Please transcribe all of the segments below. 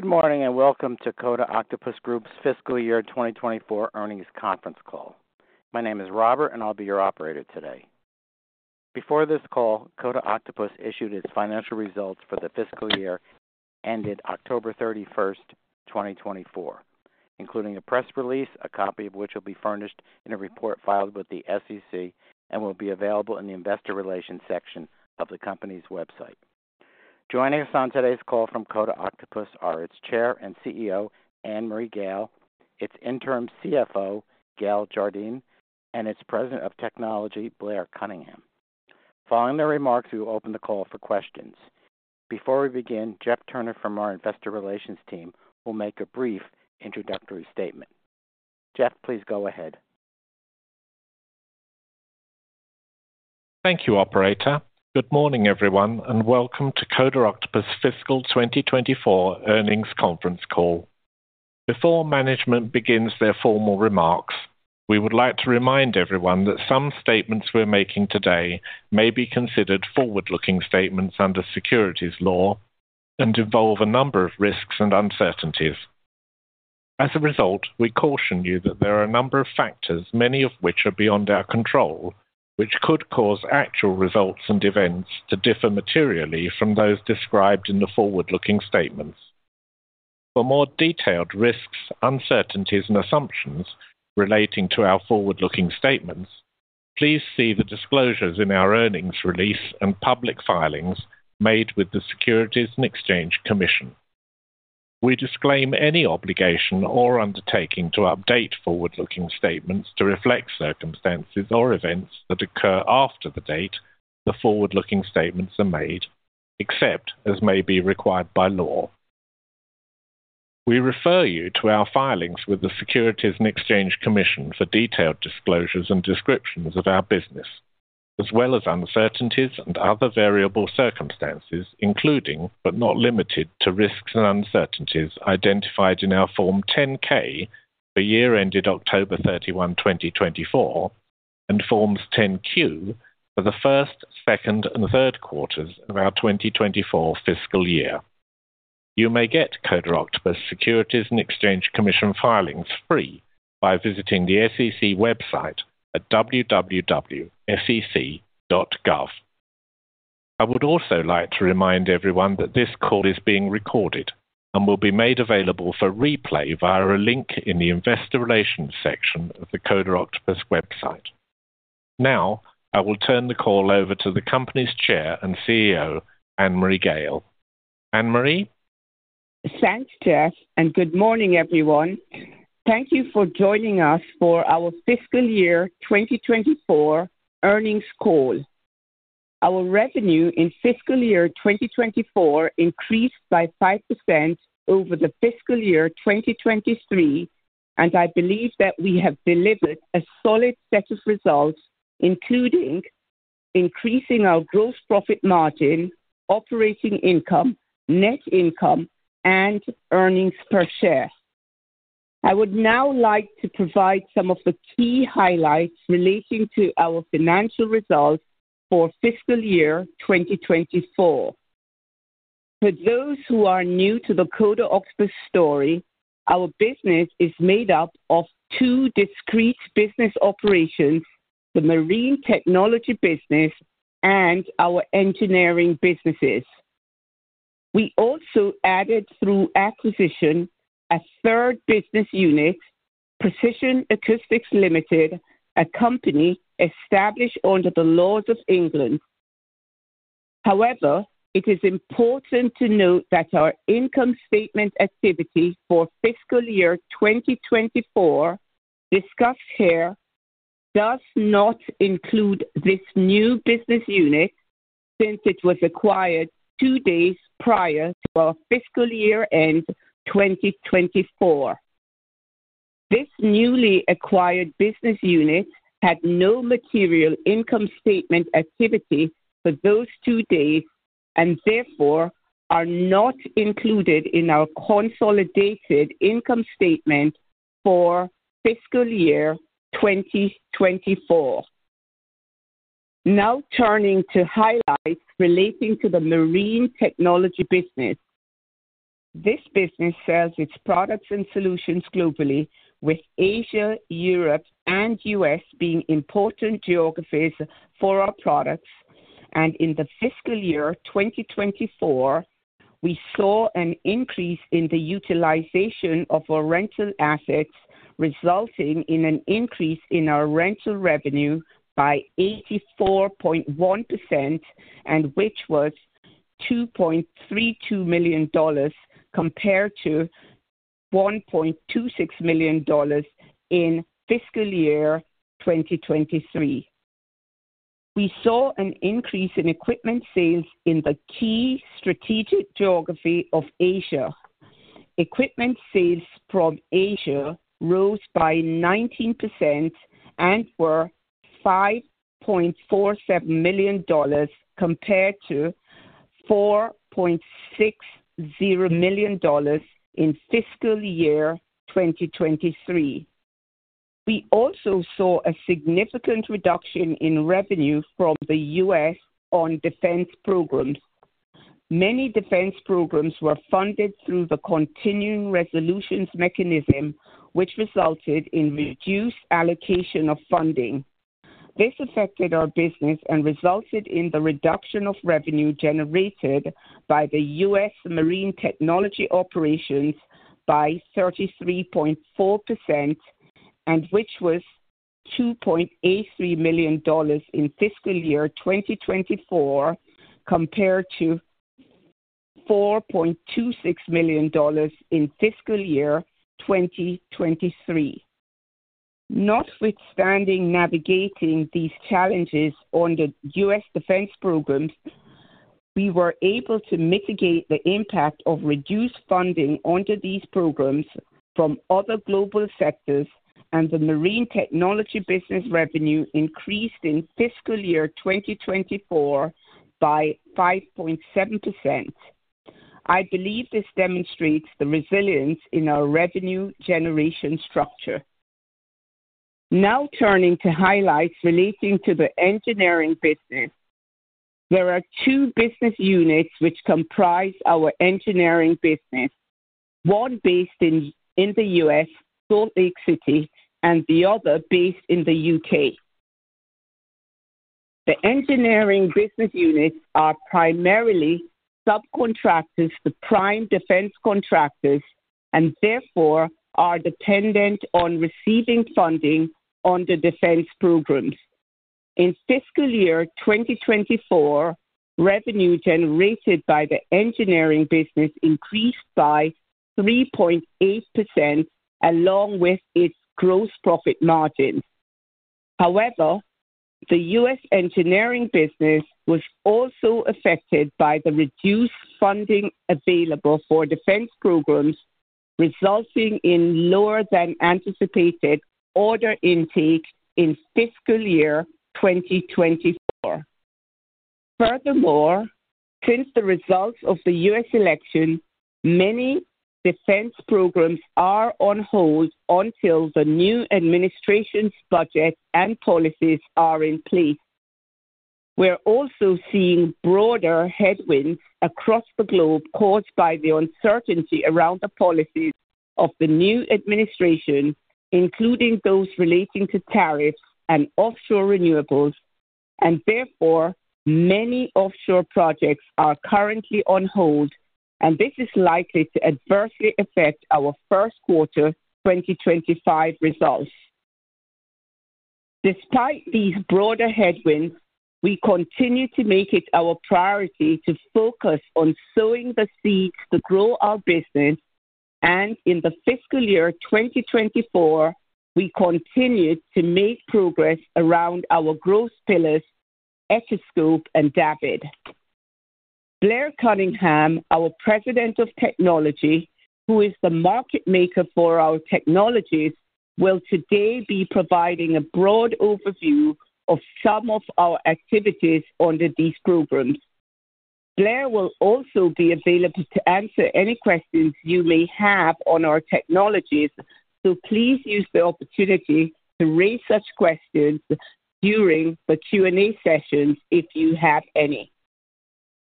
Good morning and welcome to Coda Octopus Group's Fiscal Year 2024 Earnings Conference Call. My name is Robert, and I'll be your operator today. Before this call, Coda Octopus issued its financial results for the fiscal year ended October 31st, 2024, including a press release, a copy of which will be furnished in a report filed with the SEC and will be available in the Investor Relations section of the company's website. Joining us on today's call from Coda Octopus are its Chair and CEO, Annmarie Gayle, its Interim CFO, Gayle Jardine, and its President of Technology, Blair Cunningham. Following their remarks, we will open the call for questions. Before we begin, Jeff Turner from our Investor Relations team will make a brief introductory statement. Jeff, please go ahead. Thank you, Operator. Good morning, everyone, and welcome to Coda Octopus Fiscal 2024 Earnings Conference Call. Before management begins their formal remarks, we would like to remind everyone that some statements we're making today may be considered forward-looking statements under securities law and involve a number of risks and uncertainties. As a result, we caution you that there are a number of factors, many of which are beyond our control, which could cause actual results and events to differ materially from those described in the forward-looking statements. For more detailed risks, uncertainties, and assumptions relating to our forward-looking statements, please see the disclosures in our earnings release and public filings made with the Securities and Exchange Commission. We disclaim any obligation or undertaking to update forward-looking statements to reflect circumstances or events that occur after the date the forward-looking statements are made, except as may be required by law. We refer you to our filings with the Securities and Exchange Commission for detailed disclosures and descriptions of our business, as well as uncertainties and other variable circumstances, including but not limited to risks and uncertainties identified in our Form 10-K for year ended October 31, 2024, and Forms 10-Q for the first, second, and third quarters of our 2024 fiscal year. You may get Coda Octopus Securities and Exchange Commission filings free by visiting the SEC website at www.sec.gov. I would also like to remind everyone that this call is being recorded and will be made available for replay via a link in the Investor Relations section of the Coda Octopus website. Now, I will turn the call over to the company's Chair and CEO, Annmarie Gayle. Annmarie? Thanks, Jeff, and good morning, everyone. Thank you for joining us for our Fiscal Year 2024 Earnings Call. Our revenue in Fiscal Year 2024 increased by 5% over the Fiscal Year 2023, and I believe that we have delivered a solid set of results, including increasing our gross profit margin, operating income, net income, and earnings per share. I would now like to provide some of the key highlights relating to our financial results for Fiscal Year 2024. For those who are new to the Coda Octopus story, our business is made up of two discrete business operations: the marine technology business and our engineering businesses. We also added, through acquisition, a third business unit, Precision Acoustics Limited, a company established under the laws of England. However, it is important to note that our income statement activity for Fiscal Year 2024, discussed here, does not include this new business unit since it was acquired two days prior to our Fiscal Year end, 2024. This newly acquired business unit had no material income statement activity for those two days and therefore is not included in our consolidated income statement for Fiscal Year 2024. Now, turning to highlights relating to the marine technology business. This business sells its products and solutions globally, with Asia, Europe, and US being important geographies for our products. In the Fiscal Year 2024, we saw an increase in the utilization of our rental assets, resulting in an increase in our rental revenue by 84.1%, which was $2.32 million compared to $1.26 million in Fiscal Year 2023. We saw an increase in equipment sales in the key strategic geography of Asia. Equipment sales from Asia rose by 19% and were $5.47 million compared to $4.60 million in Fiscal Year 2023. We also saw a significant reduction in revenue from the US on defense programs. Many defense programs were funded through the Continuing Resolutions Mechanism, which resulted in reduced allocation of funding. This affected our business and resulted in the reduction of revenue generated by the US marine technology operations by 33.4%, which was $2.83 million in Fiscal Year 2024 compared to $4.26 million in Fiscal Year 2023. Notwithstanding navigating these challenges under US defense programs, we were able to mitigate the impact of reduced funding under these programs from other global sectors, and the marine technology business revenue increased in Fiscal Year 2024 by 5.7%. I believe this demonstrates the resilience in our revenue generation structure. Now, turning to highlights relating to the engineering business. There are two business units which comprise our engineering business, one based in the U.S., Salt Lake City, and the other based in the U.K. The engineering business units are primarily subcontractors, the prime defense contractors, and therefore are dependent on receiving funding under defense programs. In Fiscal Year 2024, revenue generated by the engineering business increased by 3.8%, along with its gross profit margin. However, the U.S. engineering business was also affected by the reduced funding available for defense programs, resulting in lower than anticipated order intake in Fiscal Year 2024. Furthermore, since the results of the U.S. election, many defense programs are on hold until the new administration's budget and policies are in place. We're also seeing broader headwinds across the globe caused by the uncertainty around the policies of the new administration, including those relating to tariffs and offshore renewables. Therefore, many offshore projects are currently on hold, and this is likely to adversely affect our first quarter 2025 results. Despite these broader headwinds, we continue to make it our priority to focus on sowing the seeds to grow our business, and in the Fiscal Year 2024, we continue to make progress around our growth pillars, Echoscope and DAVD. Blair Cunningham, our President of Technology, who is the market maker for our technologies, will today be providing a broad overview of some of our activities under these programs. Blair will also be available to answer any questions you may have on our technologies, so please use the opportunity to raise such questions during the Q&A sessions if you have any.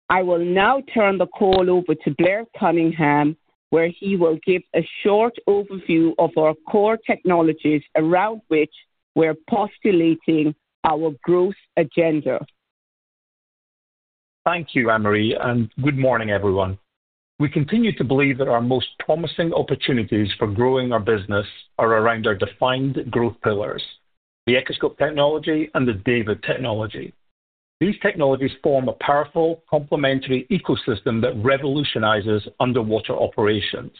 I will now turn the call over to Blair Cunningham, where he will give a short overview of our core technologies around which we're postulating our growth agenda. Thank you, Annmarie, and good morning, everyone. We continue to believe that our most promising opportunities for growing our business are around our defined growth pillars: the Echoscope technology and the DAVD technology. These technologies form a powerful complementary ecosystem that revolutionizes underwater operations.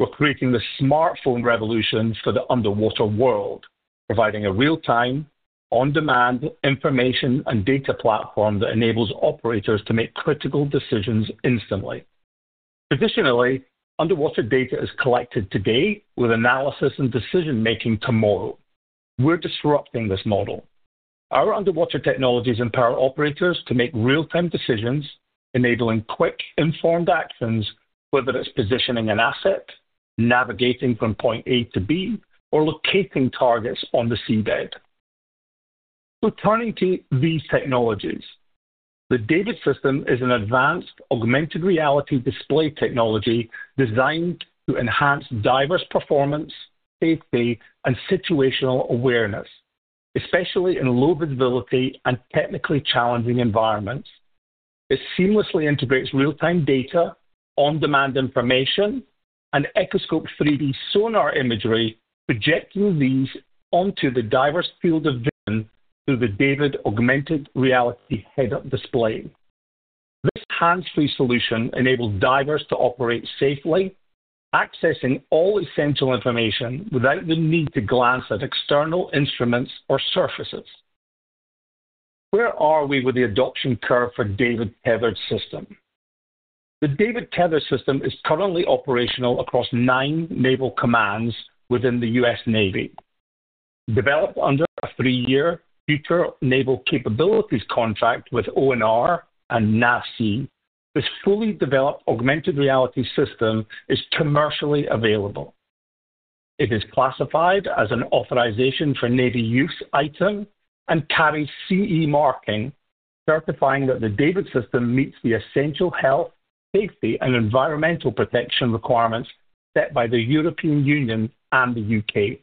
We're creating the smartphone revolution for the underwater world, providing a real-time, on-demand information and data platform that enables operators to make critical decisions instantly. Traditionally, underwater data is collected today with analysis and decision-making tomorrow. We're disrupting this model. Our underwater technologies empower operators to make real-time decisions, enabling quick, informed actions, whether it's positioning an asset, navigating from point A to B, or locating targets on the seabed. So turning to these technologies, the DAVD system is an advanced augmented reality display technology designed to enhance diver performance, safety, and situational awareness, especially in low visibility and technically challenging environments. It seamlessly integrates real-time data, on-demand information, and Echoscope 3D sonar imagery, projecting these onto the diver's field of vision through the DAVD augmented reality head-up display. This hands-free solution enables divers to operate safely, accessing all essential information without the need to glance at external instruments or surfaces. Where are we with the adoption curve for the DAVD tethered system? The DAVD tethered system is currently operational across nine naval commands within the U.S. Navy. Developed under a three-year Future Naval Capabilities contract with ONR and NAVSEA, this fully developed augmented reality system is commercially available. It is classified as an Authorization for Navy Use item and carries CE marking, certifying that the DAVD system meets the essential health, safety, and environmental protection requirements set by the European Union and the U.K.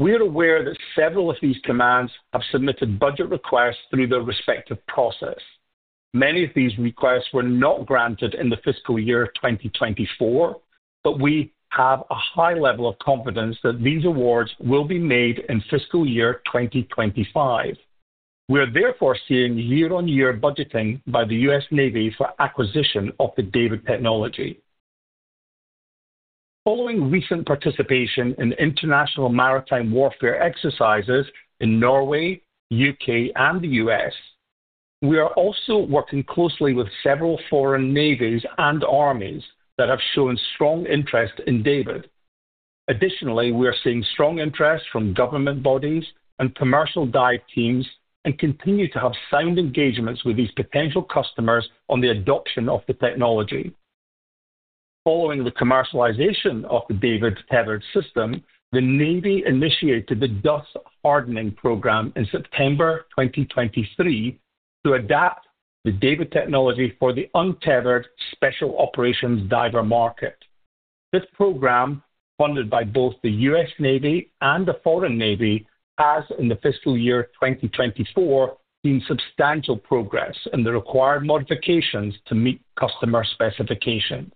We're aware that several of these commands have submitted budget requests through their respective process. Many of these requests were not granted in the Fiscal Year 2024, but we have a high level of confidence that these awards will be made in Fiscal Year 2025. We're therefore seeing year-on-year budgeting by the U.S. Navy for acquisition of the DAVD technology. Following recent participation in international maritime warfare exercises in Norway, the U.K., and the U.S., we are also working closely with several foreign navies and armies that have shown strong interest in DAVD. Additionally, we are seeing strong interest from government bodies and commercial dive teams and continue to have sound engagements with these potential customers on the adoption of the technology. Following the commercialization of the DAVD tethered system, the Navy initiated the DUS hardening program in September 2023 to adapt the DAVD technology for the untethered special operations diver market. This program, funded by both the US Navy and the foreign navy, has in the Fiscal Year 2024 seen substantial progress in the required modifications to meet customer specifications.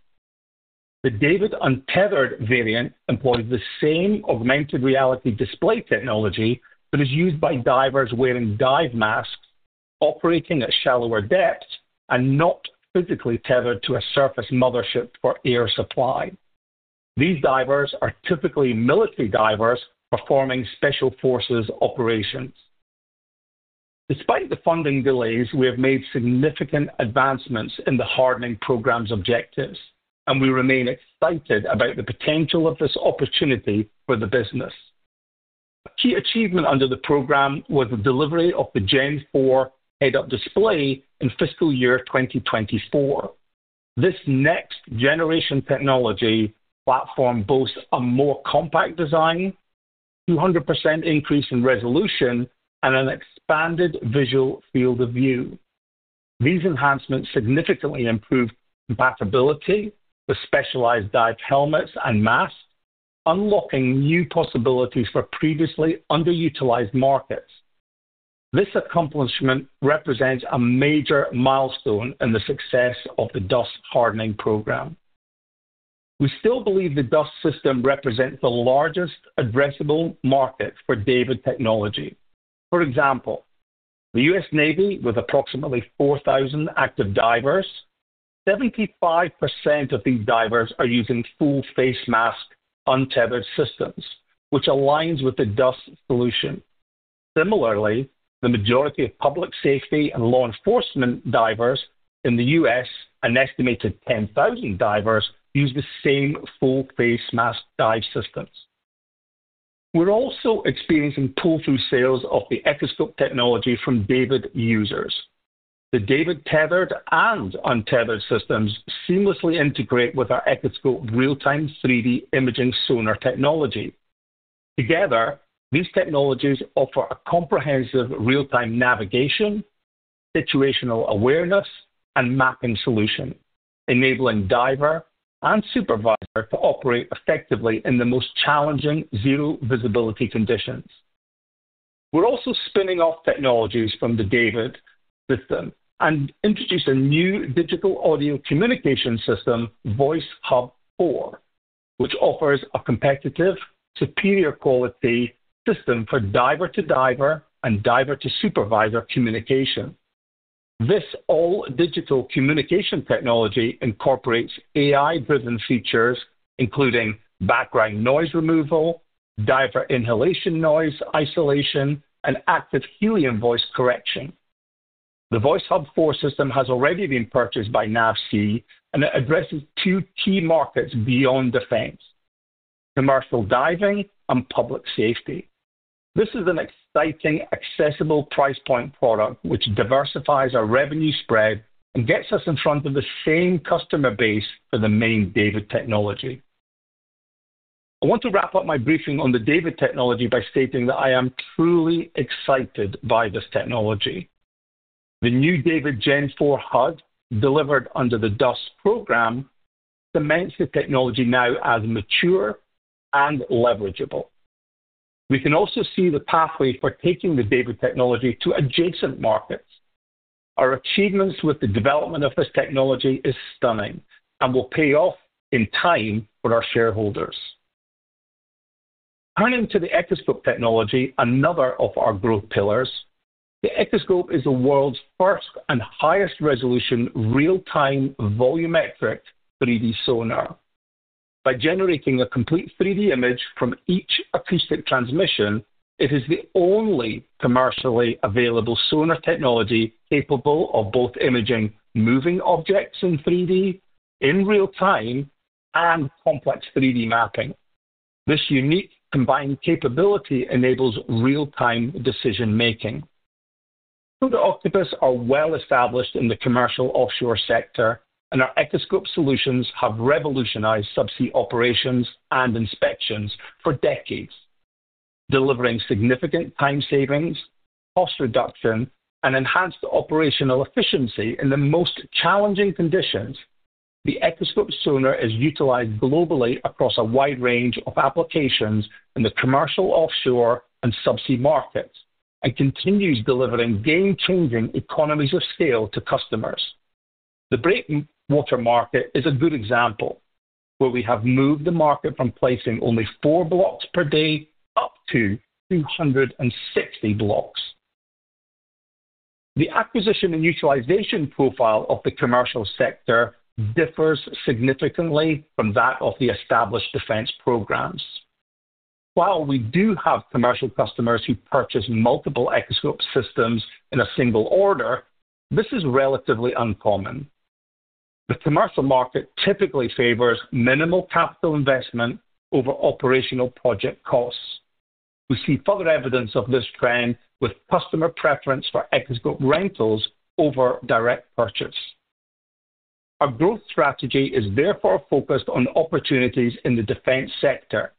The DAVD untethered variant employs the same augmented reality display technology that is used by divers wearing dive masks, operating at shallower depths, and not physically tethered to a surface mothership for air supply. These divers are typically military divers performing special forces operations. Despite the funding delays, we have made significant advancements in the hardening program's objectives, and we remain excited about the potential of this opportunity for the business. A key achievement under the program was the delivery of the Gen 4 head-up display in Fiscal Year 2024. This next generation technology platform boasts a more compact design, a 200% increase in resolution, and an expanded visual field of view. These enhancements significantly improve compatibility with specialized dive helmets and masks, unlocking new possibilities for previously underutilized markets. This accomplishment represents a major milestone in the success of the DUS hardening program. We still believe the DUS system represents the largest addressable market for DAVD technology. For example, the U.S. Navy, with approximately 4,000 active divers. 75% of these divers are using full-face mask untethered systems, which aligns with the DUS solution. Similarly, the majority of public safety and law enforcement divers in the U.S., an estimated 10,000 divers, use the same full-face mask dive systems. We're also experiencing pull-through sales of the Echoscope technology from DAVD users. The DAVD tethered and untethered systems seamlessly integrate with our Echoscope real-time 3D imaging sonar technology. Together, these technologies offer a comprehensive real-time navigation, situational awareness, and mapping solution, enabling diver and supervisor to operate effectively in the most challenging zero visibility conditions. We're also spinning off technologies from the DAVD system and introducing a new digital audio communication system, VoiceHub-4, which offers a competitive, superior quality system for diver to diver and diver to supervisor communication. This all-digital communication technology incorporates AI-driven features, including background noise removal, diver inhalation noise isolation, and active helium voice correction. The VoiceHub-4 system has already been purchased by NASE, and it addresses two key markets beyond defense: commercial diving and public safety. This is an exciting, accessible price point product which diversifies our revenue spread and gets us in front of the same customer base for the main DAVD technology. I want to wrap up my briefing on the DAVD technology by stating that I am truly excited by this technology. The new DAVD Gen 4 HUD, delivered under the DUS program, cements the technology now as mature and leverageable. We can also see the pathway for taking the DAVD technology to adjacent markets. Our achievements with the development of this technology are stunning and will pay off in time for our shareholders. Turning to the Echoscope technology, another of our growth pillars, the Echoscope is the world's first and highest resolution real-time volumetric 3D sonar. By generating a complete 3D image from each acoustic transmission, it is the only commercially available sonar technology capable of both imaging moving objects in 3D, in real time, and complex 3D mapping. This unique combined capability enables real-time decision-making. Coda Octopus are well established in the commercial offshore sector, and our Echoscope solutions have revolutionized subsea operations and inspections for decades. Delivering significant time savings, cost reduction, and enhanced operational efficiency in the most challenging conditions, the Echoscope sonar is utilized globally across a wide range of applications in the commercial offshore and subsea markets and continues delivering game-changing economies of scale to customers. The breakwater market is a good example, where we have moved the market from placing only four blocks per day up to 260 blocks. The acquisition and utilization profile of the commercial sector differs significantly from that of the established defense programs. While we do have commercial customers who purchase multiple Echoscope systems in a single order, this is relatively uncommon. The commercial market typically favors minimal capital investment over operational project costs. We see further evidence of this trend with customer preference for Echoscope rentals over direct purchase. Our growth strategy is therefore focused on opportunities in the defense sector,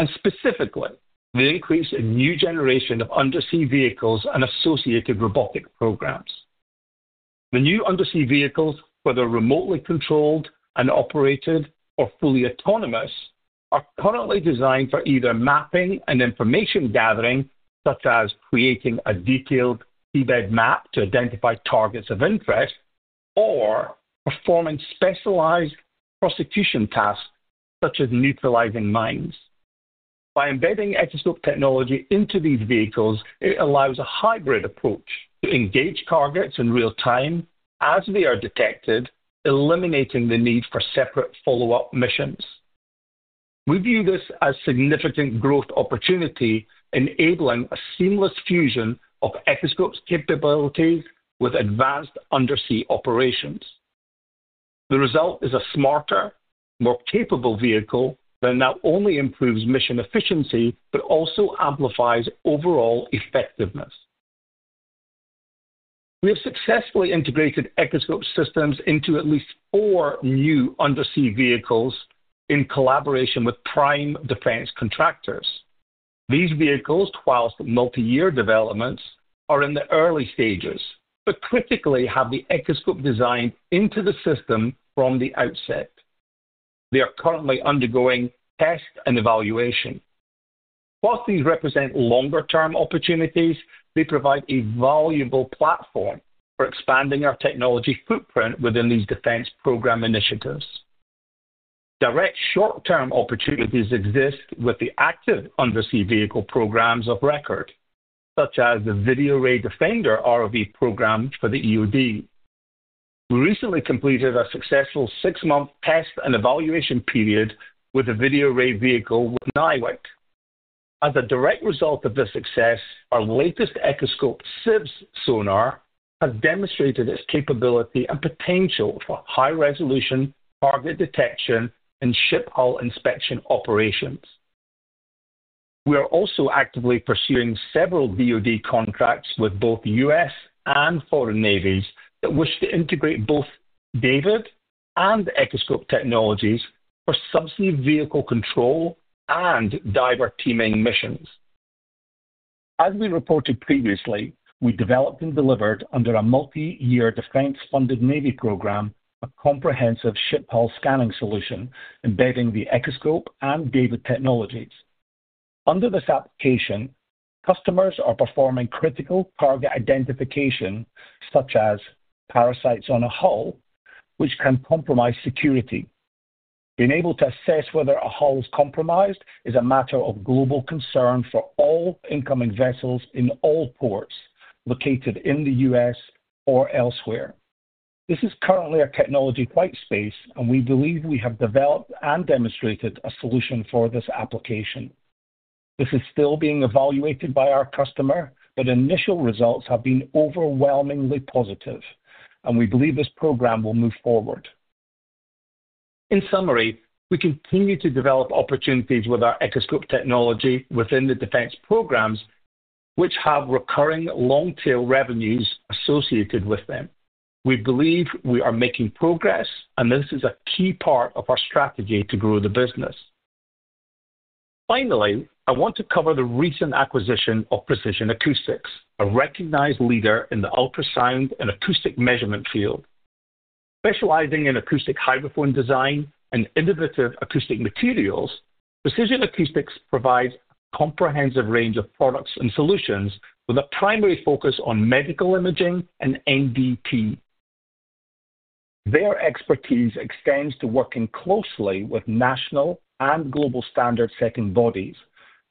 and specifically the increase in new generation of undersea vehicles and associated robotic programs. The new undersea vehicles, whether remotely controlled and operated or fully autonomous, are currently designed for either mapping and information gathering, such as creating a detailed seabed map to identify targets of interest, or performing specialized prosecution tasks, such as neutralizing mines. By embedding Echoscope technology into these vehicles, it allows a hybrid approach to engage targets in real time as they are detected, eliminating the need for separate follow-up missions. We view this as a significant growth opportunity, enabling a seamless fusion of Echoscope's capabilities with advanced undersea operations. The result is a smarter, more capable vehicle that not only improves mission efficiency but also amplifies overall effectiveness. We have successfully integrated Echoscope systems into at least four new undersea vehicles in collaboration with prime defense contractors. These vehicles, while multi-year developments, are in the early stages, but critically have the Echoscope design into the system from the outset. They are currently undergoing test and evaluation. While these represent longer-term opportunities, they provide a valuable platform for expanding our technology footprint within these defense program initiatives. Direct short-term opportunities exist with the active undersea vehicle programs of record, such as the VideoRay Defender ROV program for the EOD. We recently completed a successful six-month test and evaluation period with a VideoRay vehicle with NIWC. As a direct result of this success, our latest Echoscope C500 sonar has demonstrated its capability and potential for high-resolution target detection and ship hull inspection operations. We are also actively pursuing several ROV contracts with both U.S. and foreign navies that wish to integrate both DAVD and Echoscope technologies for subsea vehicle control and diver teaming missions. As we reported previously, we developed and delivered under a multi-year defense-funded navy program a comprehensive ship hull scanning solution embedding the Echoscope and DAVD technologies. Under this application, customers are performing critical target identification, such as parasites on a hull, which can compromise security. Being able to assess whether a hull is compromised is a matter of global concern for all incoming vessels in all ports located in the U.S. or elsewhere. This is currently a technology white space, and we believe we have developed and demonstrated a solution for this application. This is still being evaluated by our customer, but initial results have been overwhelmingly positive, and we believe this program will move forward. In summary, we continue to develop opportunities with our Echoscope technology within the defense programs, which have recurring long-tail revenues associated with them. We believe we are making progress, and this is a key part of our strategy to grow the business. Finally, I want to cover the recent acquisition of Precision Acoustics, a recognized leader in the ultrasound and acoustic measurement field. Specializing in acoustic hydrophone design and innovative acoustic materials, Precision Acoustics provides a comprehensive range of products and solutions with a primary focus on medical imaging and NDT. Their expertise extends to working closely with national and global standard-setting bodies,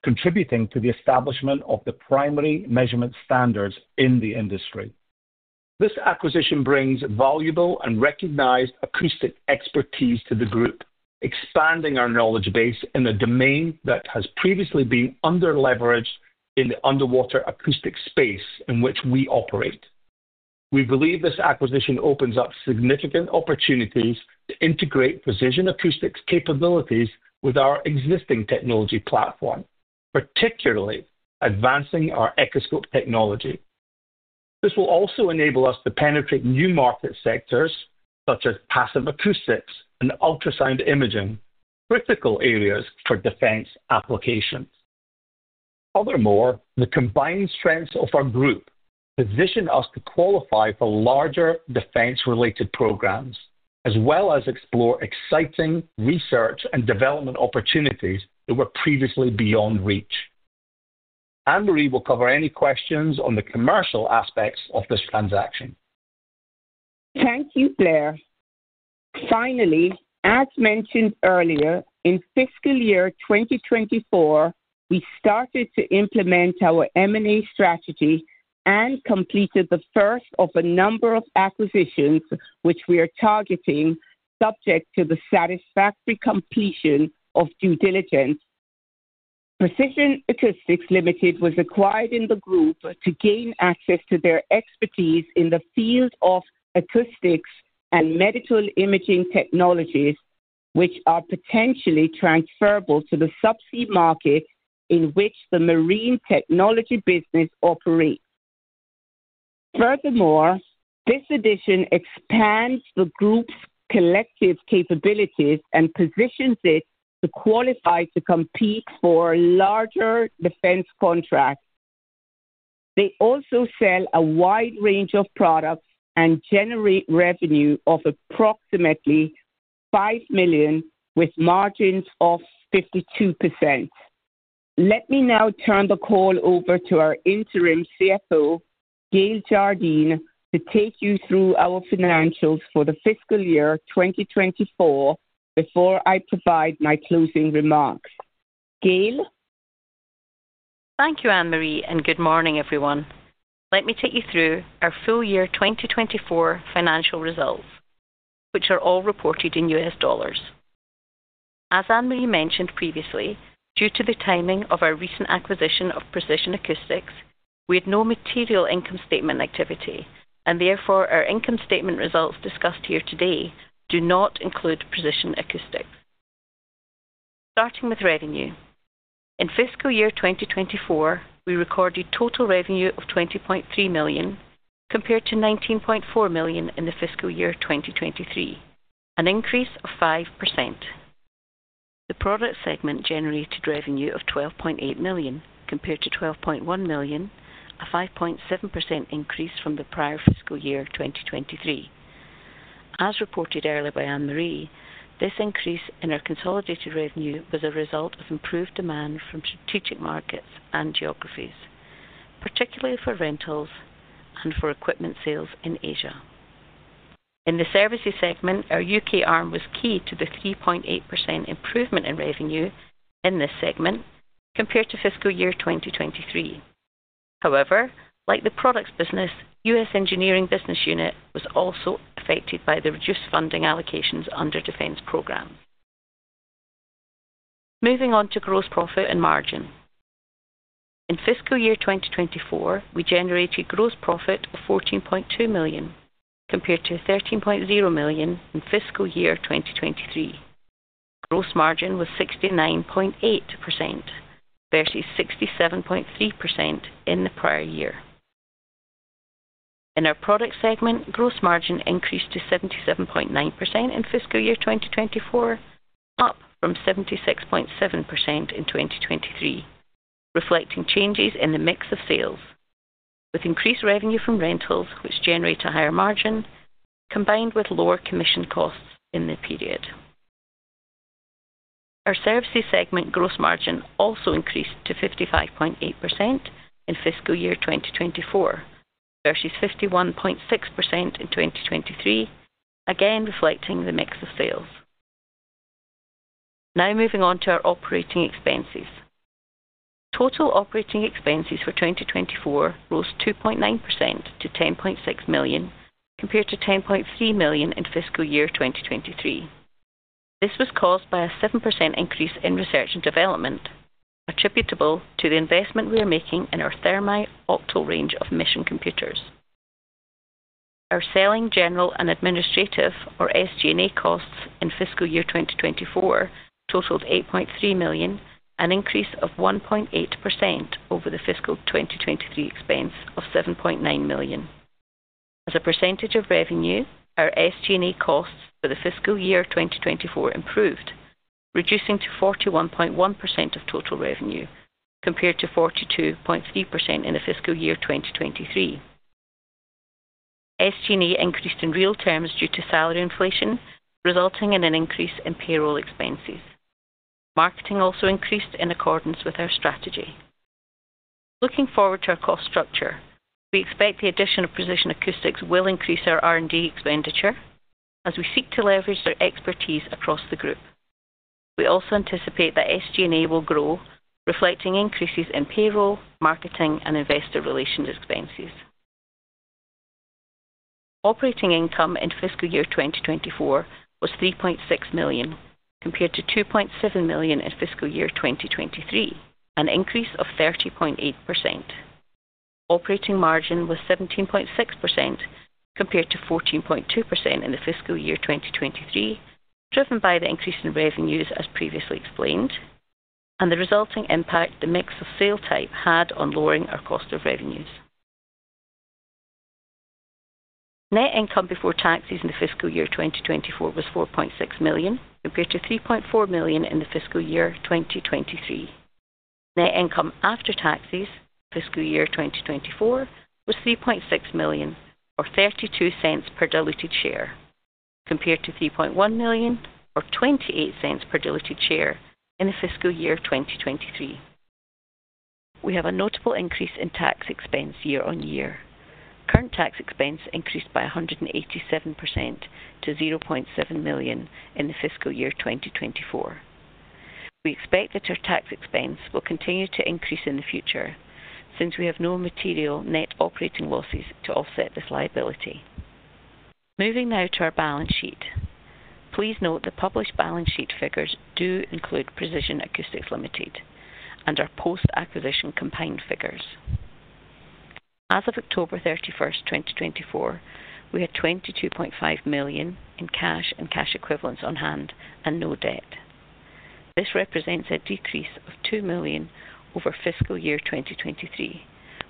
contributing to the establishment of the primary measurement standards in the industry. This acquisition brings valuable and recognized acoustic expertise to the group, expanding our knowledge base in a domain that has previously been underleveraged in the underwater acoustic space in which we operate. We believe this acquisition opens up significant opportunities to integrate Precision Acoustics capabilities with our existing technology platform, particularly advancing our Echoscope technology. This will also enable us to penetrate new market sectors, such as passive acoustics and ultrasound imaging, critical areas for defense applications. Furthermore, the combined strengths of our group position us to qualify for larger defense-related programs, as well as explore exciting research and development opportunities that were previously beyond reach. Annmarie will cover any questions on the commercial aspects of this transaction. Thank you, Blair. Finally, as mentioned earlier, in fiscal year 2024, we started to implement our M&A strategy and completed the first of a number of acquisitions, which we are targeting, subject to the satisfactory completion of due diligence. Precision Acoustics Ltd was acquired in the group to gain access to their expertise in the field of acoustics and medical imaging technologies, which are potentially transferable to the subsea market in which the marine technology business operates. Furthermore, this addition expands the group's collective capabilities and positions it to qualify to compete for larger defense contracts. They also sell a wide range of products and generate revenue of approximately $5 million, with margins of 52%. Let me now turn the call over to our Interim CFO, Gayle Jardine, to take you through our financials for the fiscal year 2024 before I provide my closing remarks. Gayle? Thank you, Annmarie, and good morning, everyone. Let me take you through our full year 2024 financial results, which are all reported in U.S. dollars. As Annmarie mentioned previously, due to the timing of our recent acquisition of Precision Acoustics, we had no material income statement activity, and therefore our income statement results discussed here today do not include Precision Acoustics. Starting with revenue. In fiscal year 2024, we recorded total revenue of $20.3 million, compared to $19.4 million in the fiscal year 2023, an increase of 5%. The product segment generated revenue of $12.8 million, compared to $12.1 million, a 5.7% increase from the prior fiscal year 2023. As reported earlier by Annmarie, this increase in our consolidated revenue was a result of improved demand from strategic markets and geographies, particularly for rentals and for equipment sales in Asia. In the services segment, our U.K. arm was key to the 3.8% improvement in revenue in this segment, compared to fiscal year 2023. However, like the products business, U.S. engineering business unit was also affected by the reduced funding allocations under defense programs. Moving on to gross profit and margin. In fiscal year 2024, we generated gross profit of $14.2 million, compared to $13.0 million in fiscal year 2023. Gross margin was 69.8%, versus 67.3% in the prior year. In our product segment, gross margin increased to 77.9% in fiscal year 2024, up from 76.7% in 2023, reflecting changes in the mix of sales, with increased revenue from rentals, which generate a higher margin, combined with lower commission costs in the period. Our services segment gross margin also increased to 55.8% in fiscal year 2024, versus 51.6% in 2023, again reflecting the mix of sales. Now moving on to our operating expenses. Total operating expenses for 2024 rose 2.9% to $10.6 million, compared to $10.3 million in fiscal year 2023. This was caused by a 7% increase in research and development, attributable to the investment we are making in our Thermite Octal range of mission computers. Our selling general and administrative, or SG&A, costs in fiscal year 2024 totaled $8.3 million, an increase of 1.8% over the fiscal 2023 expense of $7.9 million. As a percentage of revenue, our SG&A costs for the fiscal year 2024 improved, reducing to 41.1% of total revenue, compared to 42.3% in the fiscal year 2023. SG&A increased in real terms due to salary inflation, resulting in an increase in payroll expenses. Marketing also increased in accordance with our strategy. Looking forward to our cost structure, we expect the addition of Precision Acoustics will increase our R&D expenditure, as we seek to leverage our expertise across the group. We also anticipate that SG&A will grow, reflecting increases in payroll, marketing, and investor relations expenses. Operating income in fiscal year 2024 was $3.6 million, compared to $2.7 million in fiscal year 2023, an increase of 30.8%. Operating margin was 17.6%, compared to 14.2% in the fiscal year 2023, driven by the increase in revenues, as previously explained, and the resulting impact the mix of sales type had on lowering our cost of revenues. Net income before taxes in the fiscal year 2024 was $4.6 million, compared to $3.4 million in the fiscal year 2023. Net income after taxes, fiscal year 2024, was $3.6 million, or $0.32 per diluted share, compared to $3.1 million, or $0.28 per diluted share in the fiscal year 2023. We have a notable increase in tax expense year on year. Current tax expense increased by 187% to $0.7 million in the fiscal year 2024. We expect that our tax expense will continue to increase in the future, since we have no material net operating losses to offset this liability. Moving now to our balance sheet. Please note the published balance sheet figures do include Precision Acoustics Ltd and our post-acquisition compound figures. As of October 31st, 2024, we had $22.5 million in cash and cash equivalents on hand and no debt. This represents a decrease of $2 million over fiscal year 2023,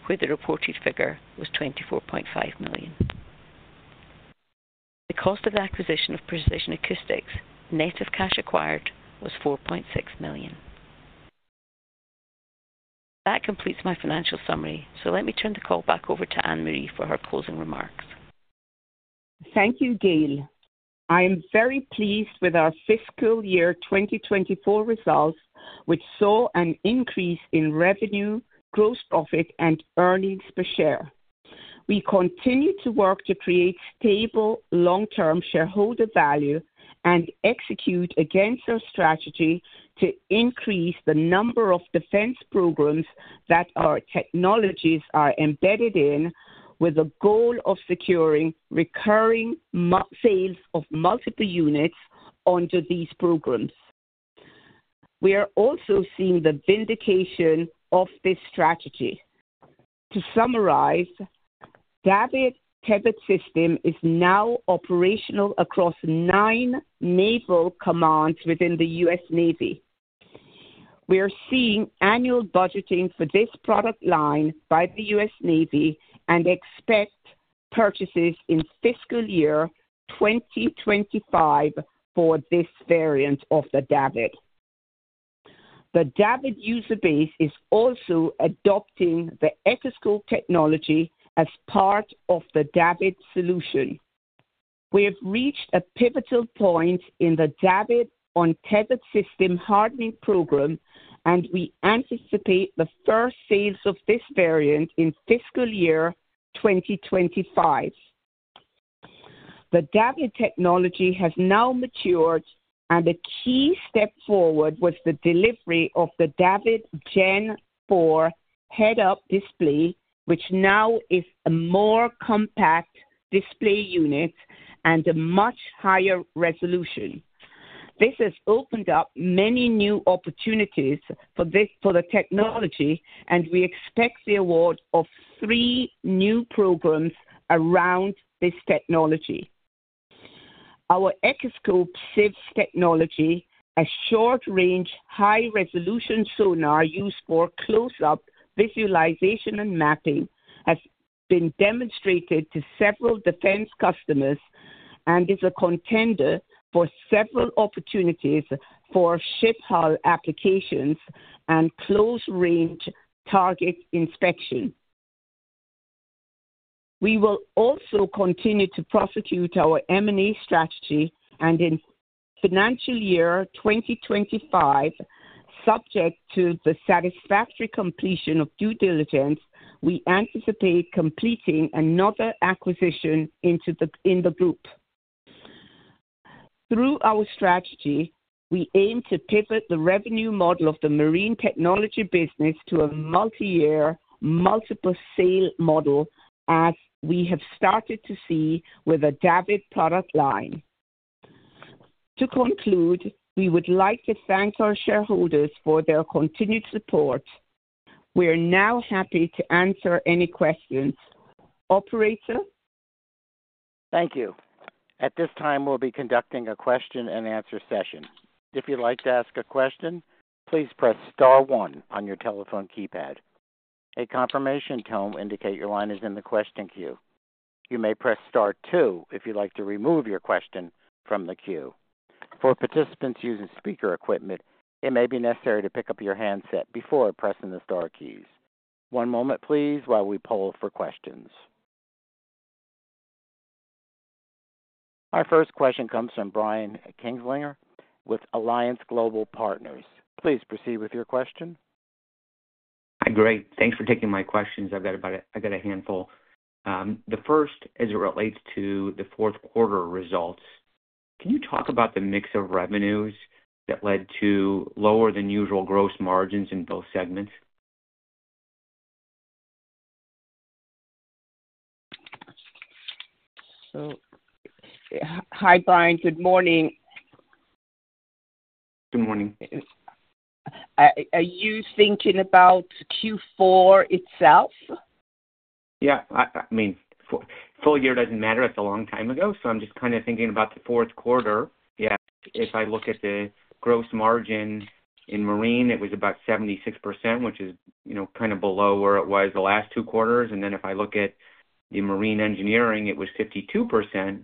where the reported figure was $24.5 million. The cost of acquisition of Precision Acoustics, net of cash acquired, was $4.6 million. That completes my financial summary, so let me turn the call back over to Annmarie for her closing remarks. Thank you, Gayle. I am very pleased with our fiscal year 2024 results, which saw an increase in revenue, gross profit, and earnings per share. We continue to work to create stable long-term shareholder value and execute against our strategy to increase the number of defense programs that our technologies are embedded in, with a goal of securing recurring sales of multiple units under these programs. We are also seeing the vindication of this strategy. To summarize, DAVD COTS System is now operational across nine naval commands within the U.S. Navy. We are seeing annual budgeting for this product line by the U.S. Navy and expect purchases in fiscal year 2025 for this variant of the DAVD. The DAVD user base is also adopting the Echoscope technology as part of the DAVD solution. We have reached a pivotal point in the DAVD COTS System hardening program, and we anticipate the first sales of this variant in fiscal year 2025. The DAVD technology has now matured, and the key step forward was the delivery of the DAVD Gen 4 head-up display, which now is a more compact display unit and a much higher resolution. This has opened up many new opportunities for the technology, and we expect the award of three new programs around this technology. Our Echoscope C500 technology, a short-range, high-resolution sonar used for close-up visualization and mapping, has been demonstrated to several defense customers and is a contender for several opportunities for ship hull applications and close-range target inspection. We will also continue to prosecute our M&A strategy, and in financial year 2025, subject to the satisfactory completion of due diligence, we anticipate completing another acquisition in the group. Through our strategy, we aim to pivot the revenue model of the marine technology business to a multi-year, multiple sale model, as we have started to see with the DAVD product line. To conclude, we would like to thank our shareholders for their continued support. We are now happy to answer any questions. Operator? Thank you. At this time, we'll be conducting a question-and-answer session. If you'd like to ask a question, please press Star 1 on your telephone keypad. A confirmation tone will indicate your line is in the question queue. You may press Star 2 if you'd like to remove your question from the queue. For participants using speaker equipment, it may be necessary to pick up your handset before pressing the Star keys. One moment, please, while we poll for questions. Our first question comes from Brian Kinstlinger with Alliance Global Partners. Please proceed with your question. Hi, Gayle. Thanks for taking my questions. I've got a handful. The first, as it relates to the fourth quarter results, can you talk about the mix of revenues that led to lower-than-usual gross margins in both segments? Hi, Brian. Good morning. Good morning. Are you thinking about Q4 itself? Yeah. I mean, full year doesn't matter. It's a long time ago, so I'm just kind of thinking about the fourth quarter. Yeah. If I look at the gross margin in marine, it was about 76%, which is kind of below where it was the last two quarters. If I look at the marine engineering, it was 52%,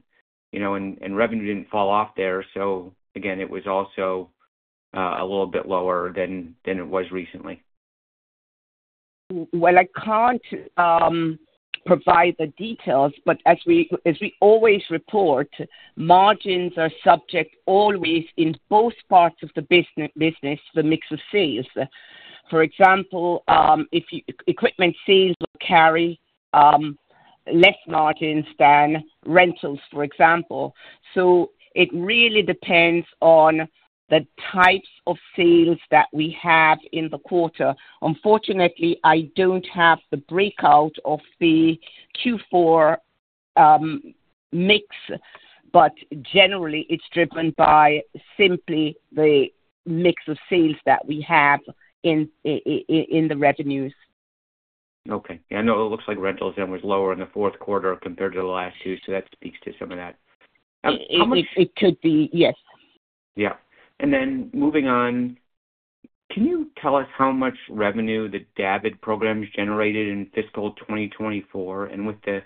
and revenue didn't fall off there. Again, it was also a little bit lower than it was recently. I can't provide the details, but as we always report, margins are subject always in both parts of the business, the mix of sales. For example, equipment sales will carry less margins than rentals, for example. It really depends on the types of sales that we have in the quarter. Unfortunately, I don't have the breakout of the Q4 mix, but generally, it's driven by simply the mix of sales that we have in the revenues. Okay. Yeah. I know it looks like rentals then was lower in the fourth quarter compared to the last two, so that speaks to some of that. It could be, yes. Yeah. And then moving on, can you tell us how much revenue the DAVD program has generated in fiscal 2024? And with the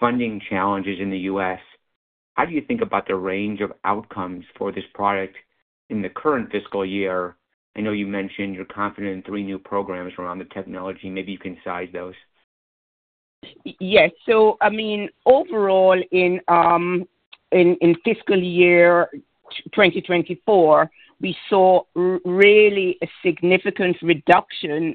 funding challenges in the U.S., how do you think about the range of outcomes for this product in the current fiscal year? I know you mentioned you're confident in three new programs around the technology. Maybe you can size those. Yes. So I mean, overall, in fiscal year 2024, we saw really a significant reduction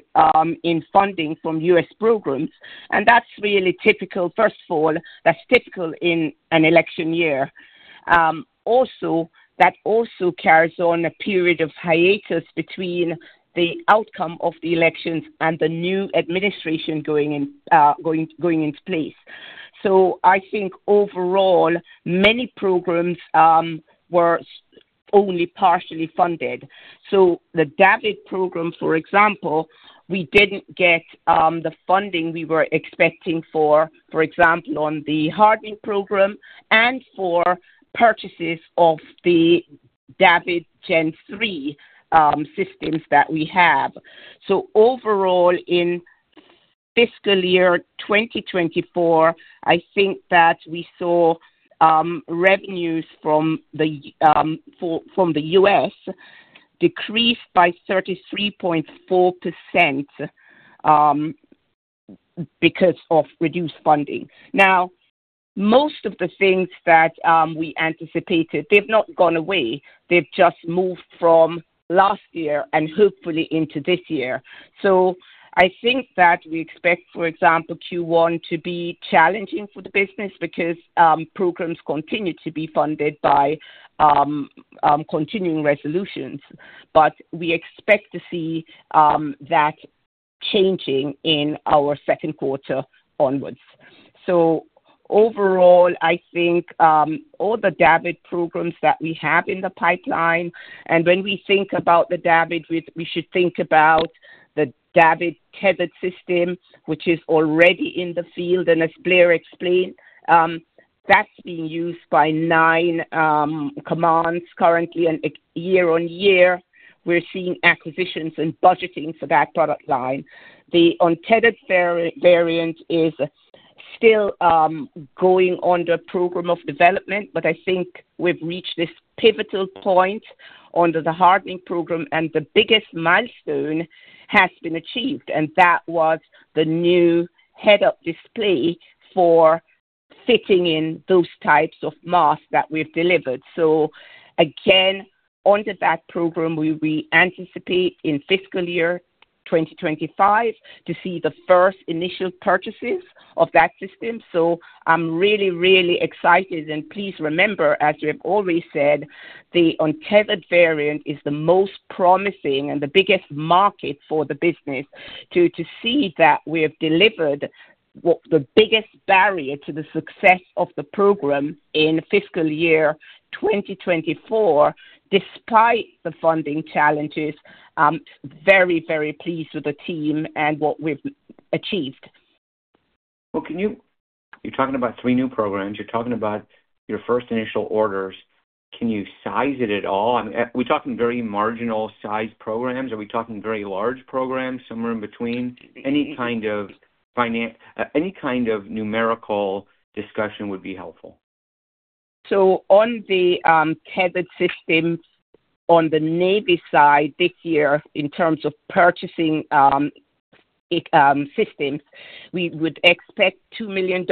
in funding from U.S. programs, and that's really typical. First of all, that's typical in an election year. Also, that also carries on a period of hiatus between the outcome of the elections and the new administration going into place. So I think overall, many programs were only partially funded. So the DAVD program, for example, we didn't get the funding we were expecting for, for example, on the hardening program and for purchases of the DAVD Gen 3 systems that we have. So overall, in fiscal year 2024, I think that we saw revenues from the U.S. decreased by 33.4% because of reduced funding. Now, most of the things that we anticipated, they've not gone away. They've just moved from last year and hopefully into this year. So I think that we expect, for example, Q1 to be challenging for the business because programs continue to be funded by continuing resolutions. But we expect to see that changing in our second quarter onwards. So overall, I think all the DAVD programs that we have in the pipeline, and when we think about the DAVD, we should think about the DAVD COTS System, which is already in the field. And as Blair explained, that's being used by nine commands currently. Year on year, we're seeing acquisitions and budgeting for that product line. The untethered variant is still going under program of development, but I think we've reached this pivotal point under the hardening program, and the biggest milestone has been achieved, and that was the new head-up display for fitting in those types of masks that we've delivered. Again, under that program, we anticipate in fiscal year 2025 to see the first initial purchases of that system. I'm really, really excited. Please remember, as we have always said, the untethered variant is the most promising and the biggest market for the business to see that we have delivered the biggest barrier to the success of the program in fiscal year 2024, despite the funding challenges. Very, very pleased with the team and what we've achieved. You're talking about three new programs. You're talking about your first initial orders. Can you size it at all? Are we talking very marginal-sized programs? Are we talking very large programs? Somewhere in between? Any kind of numerical discussion would be helpful. So on the COTS Systems, on the Navy side this year, in terms of purchasing systems, we would expect $2 million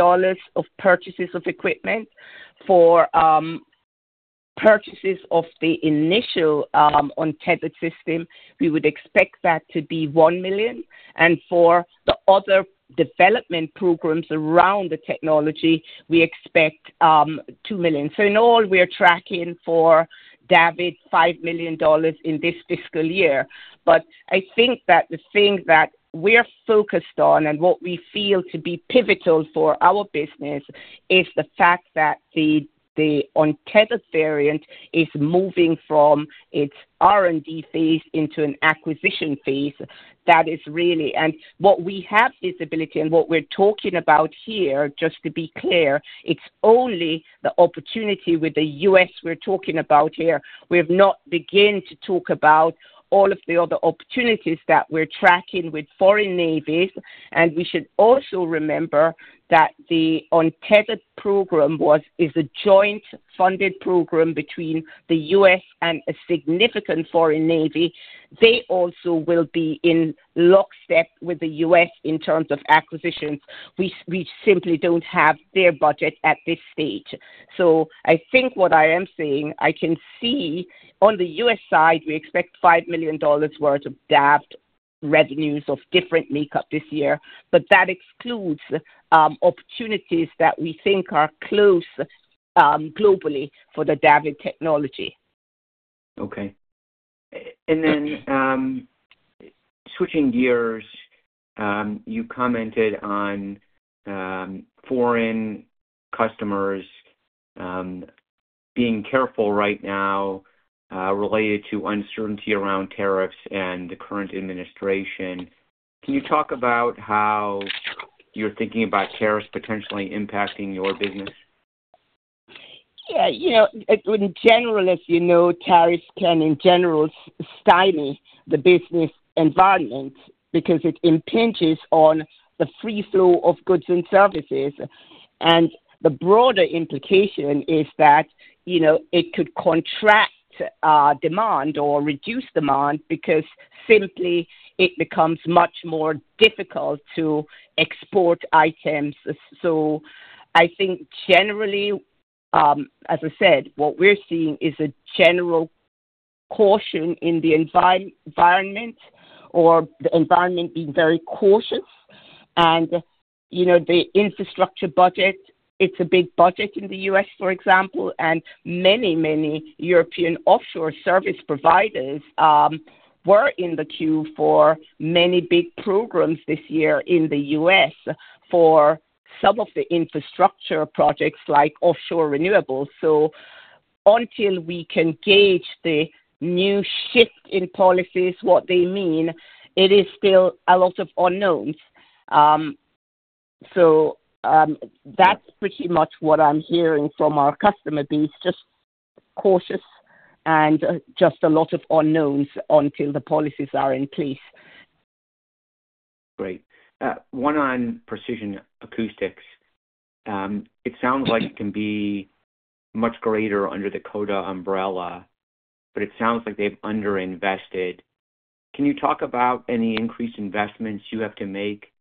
of purchases of equipment. For purchases of the initial untethered system, we would expect that to be $1 million. And for the other development programs around the technology, we expect $2 million. So in all, we're tracking for DAVD $5 million in this fiscal year. But I think that the thing that we're focused on and what we feel to be pivotal for our business is the fact that the untethered variant is moving from its R&D phase into an acquisition phase. That is really and what we have visibility and what we're talking about here, just to be clear, it's only the opportunity with the U.S. we're talking about here. We have not begun to talk about all of the other opportunities that we're tracking with foreign navies, and we should also remember that the untethered program is a joint-funded program between the U.S. and a significant foreign navy. They also will be in lockstep with the U.S. in terms of acquisitions. We simply don't have their budget at this stage, so I think what I am seeing, I can see on the U.S. side, we expect $5 million worth of DAVD revenues of different makeup this year, but that excludes opportunities that we think are close globally for the DAVD technology. Okay. Then switching gears, you commented on foreign customers being careful right now related to uncertainty around tariffs and the current administration. Can you talk about how you're thinking about tariffs potentially impacting your business? Yeah. In general, as you know, tariffs can in general stymie the business environment because it impinges on the free flow of goods and services. And the broader implication is that it could contract demand or reduce demand because simply it becomes much more difficult to export items. So I think generally, as I said, what we're seeing is a general caution in the environment or the environment being very cautious. And the infrastructure budget, it's a big budget in the U.S., for example. And many, many European offshore service providers were in the queue for many big programs this year in the U.S. for some of the infrastructure projects like offshore renewables. So until we can gauge the new shift in policies, what they mean, it is still a lot of unknowns. So that's pretty much what I'm hearing from our customer base, just cautious and just a lot of unknowns until the policies are in place. Great. One on Precision Acoustics. It sounds like it can be much greater under the Coda umbrella, but it sounds like they've underinvested. Can you talk about any increased investments you have to make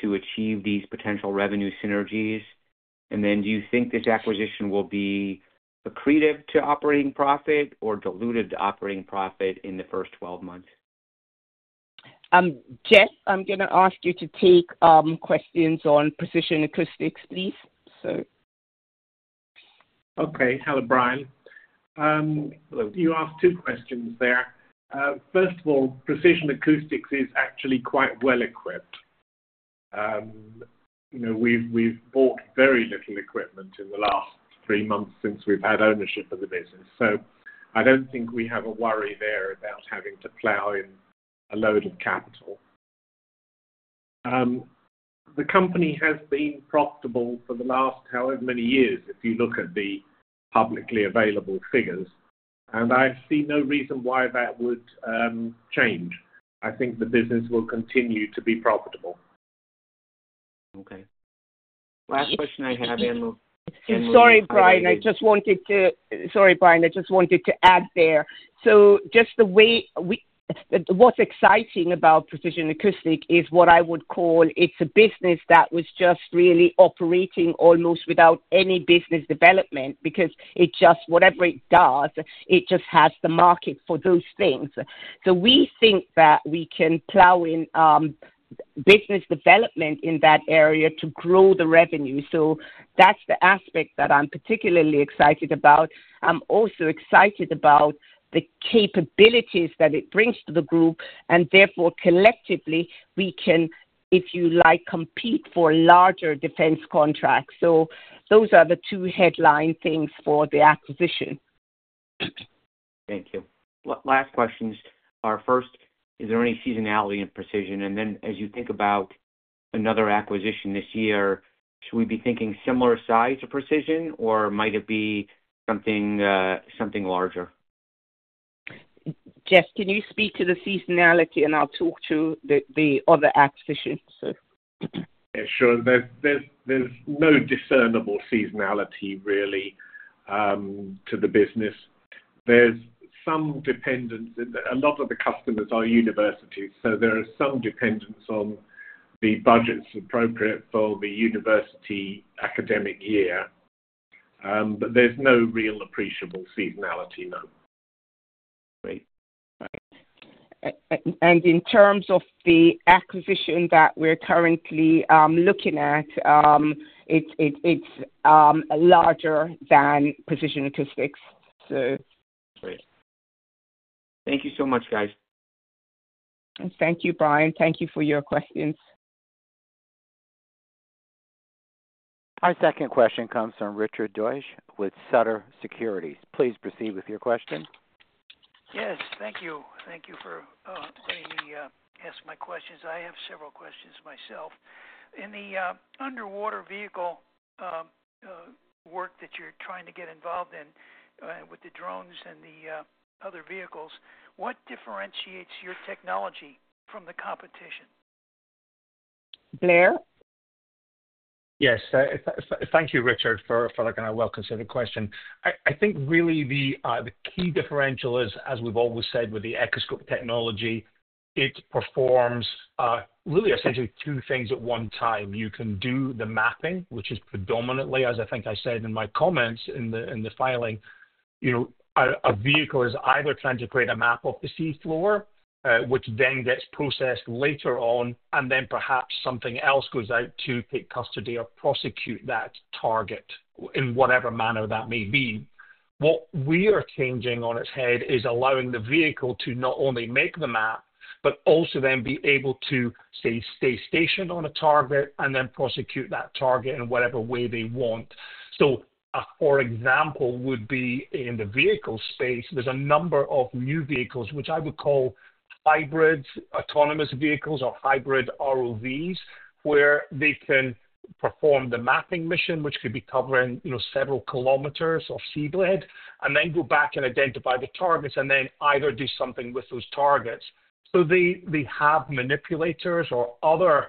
to achieve these potential revenue synergies? And then do you think this acquisition will be accretive to operating profit or diluted to operating profit in the first 12 months? Jeff, I'm going to ask you to take questions on Precision Acoustics, please. Okay. Hello, Brian. You asked two questions there. First of all, Precision Acoustics is actually quite well-equipped. We've bought very little equipment in the last three months since we've had ownership of the business. So I don't think we have a worry there about having to plow in a load of capital. The company has been profitable for the last however many years if you look at the publicly available figures, and I see no reason why that would change. I think the business will continue to be profitable. Okay. Last question I have, Annmarie. Sorry, Brian. I just wanted to, sorry, Brian. I just wanted to add there. So just the way what's exciting about Precision Acoustics is what I would call it's a business that was just really operating almost without any business development because it just, whatever it does, it just has the market for those things. So we think that we can plow in business development in that area to grow the revenue. So that's the aspect that I'm particularly excited about. I'm also excited about the capabilities that it brings to the group, and therefore, collectively, we can, if you like, compete for larger defense contracts. So those are the two headline things for the acquisition. Thank you. Last questions. Our first, is there any seasonality in precision? And then as you think about another acquisition this year, should we be thinking similar size of precision, or might it be something larger? Jeff, can you speak to the seasonality, and I'll talk to the other acquisition? Yeah. Sure. There's no discernible seasonality really to the business. There's some dependence. A lot of the customers are universities, so there is some dependence on the budgets appropriate for the university academic year. But there's no real appreciable seasonality, no. Great. All right. And in terms of the acquisition that we're currently looking at, it's larger than Precision Acoustics, so. Great. Thank you so much, guys. And thank you, Brian. Thank you for your questions. Our second question comes from Richard Deutsch with Sutter Securities. Please proceed with your question. Yes. Thank you. Thank you for letting me ask my questions. I have several questions myself. In the underwater vehicle work that you're trying to get involved in with the drones and the other vehicles, what differentiates your technology from the competition? Blair? Yes. Thank you, Richard, for that kind of well-considered question. I think really the key differential is, as we've always said, with the Echoscope technology, it performs really essentially two things at one time. You can do the mapping, which is predominantly, as I think I said in my comments in the filing. A vehicle is either trying to create a map of the seafloor, which then gets processed later on, and then perhaps something else goes out to take custody or prosecute that target in whatever manner that may be. What we are changing on its head is allowing the vehicle to not only make the map, but also then be able to, say, stay stationed on a target and then prosecute that target in whatever way they want. So a for example would be in the vehicle space, there's a number of new vehicles, which I would call hybrid autonomous vehicles or hybrid ROVs, where they can perform the mapping mission, which could be covering several kilometers of seabed, and then go back and identify the targets and then either do something with those targets. So they have manipulators or other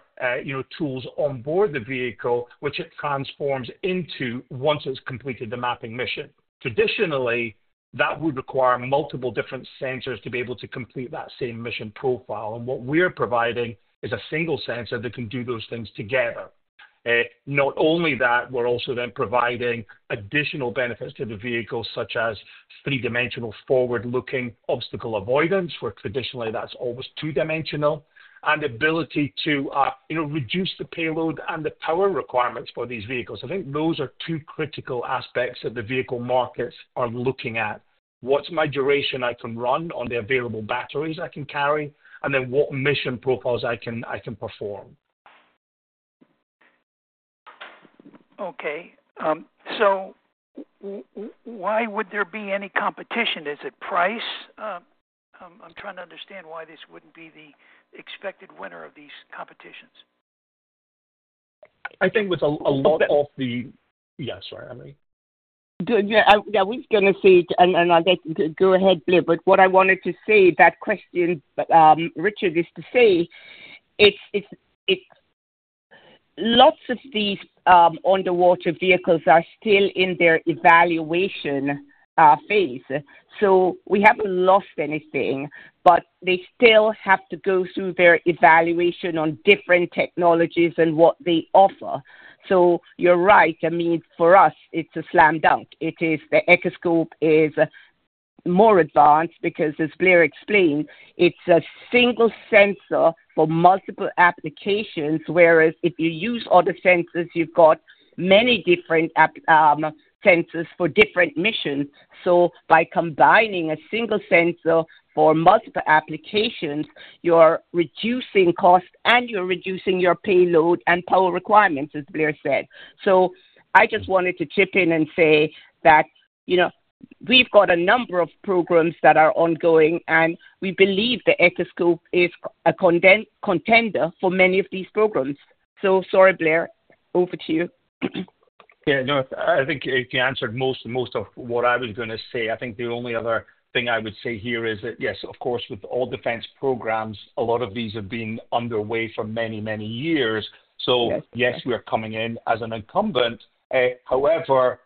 tools onboard the vehicle, which it transforms into once it's completed the mapping mission. Traditionally, that would require multiple different sensors to be able to complete that same mission profile. And what we're providing is a single sensor that can do those things together. Not only that, we're also then providing additional benefits to the vehicles, such as three-dimensional forward-looking obstacle avoidance, where traditionally that's always two-dimensional, and the ability to reduce the payload and the power requirements for these vehicles. I think those are two critical aspects that the vehicle markets are looking at. What's my duration I can run on the available batteries I can carry, and then what mission profiles I can perform? Okay. So why would there be any competition? Is it price? I'm trying to understand why this wouldn't be the expected winner of these competitions. I think with a lot of the, yeah, sorry. I mean, yeah. Yeah. We're going to say, and I get to go ahead, Blair, but what I wanted to say, that question, Richard, is to say lots of these underwater vehicles are still in their evaluation phase. So we haven't lost anything, but they still have to go through their evaluation on different technologies and what they offer. So you're right. I mean, for us, it's a slam dunk. The Echoscope is more advanced because, as Blair explained, it's a single sensor for multiple applications, whereas if you use other sensors, you've got many different sensors for different missions. So by combining a single sensor for multiple applications, you're reducing cost and you're reducing your payload and power requirements, as Blair said. So I just wanted to chip in and say that we've got a number of programs that are ongoing, and we believe the Echoscope is a contender for many of these programs. So sorry, Blair. Over to you. Yeah. No. I think you answered most of what I was going to say. I think the only other thing I would say here is that, yes, of course, with all defense programs, a lot of these have been underway for many, many years. So yes, we're coming in as an incumbent. However,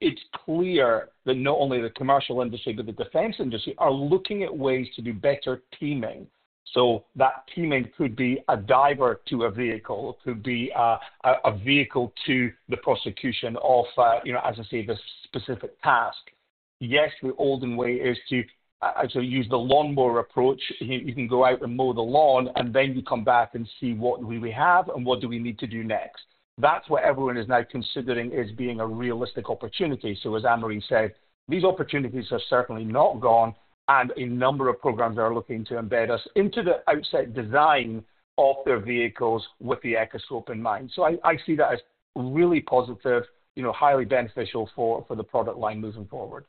it's clear that not only the commercial industry, but the defense industry are looking at ways to do better teaming. So that teaming could be a diver to a vehicle, could be a vehicle to the prosecution of, as I say, the specific task. Yes, the olden way is to actually use the lawnmower approach. You can go out and mow the lawn, and then you come back and see what do we have and what do we need to do next. That's what everyone is now considering as being a realistic opportunity. So as Annmarie said, these opportunities have certainly not gone, and a number of programs are looking to embed us into the outside design of their vehicles with the Echoscope in mind. So I see that as really positive, highly beneficial for the product line moving forward.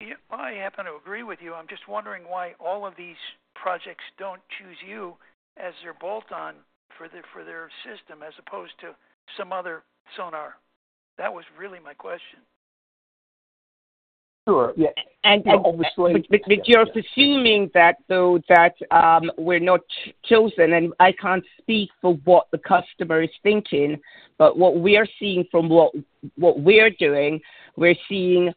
Yep. I happen to agree with you. I'm just wondering why all of these projects don't choose you as their bolt-on for their system as opposed to some other sonar. That was really my question. Sure. Yeah. But you're assuming that though that we're not chosen, and I can't speak for what the customer is thinking, but what we are seeing from what we're doing, we're seeing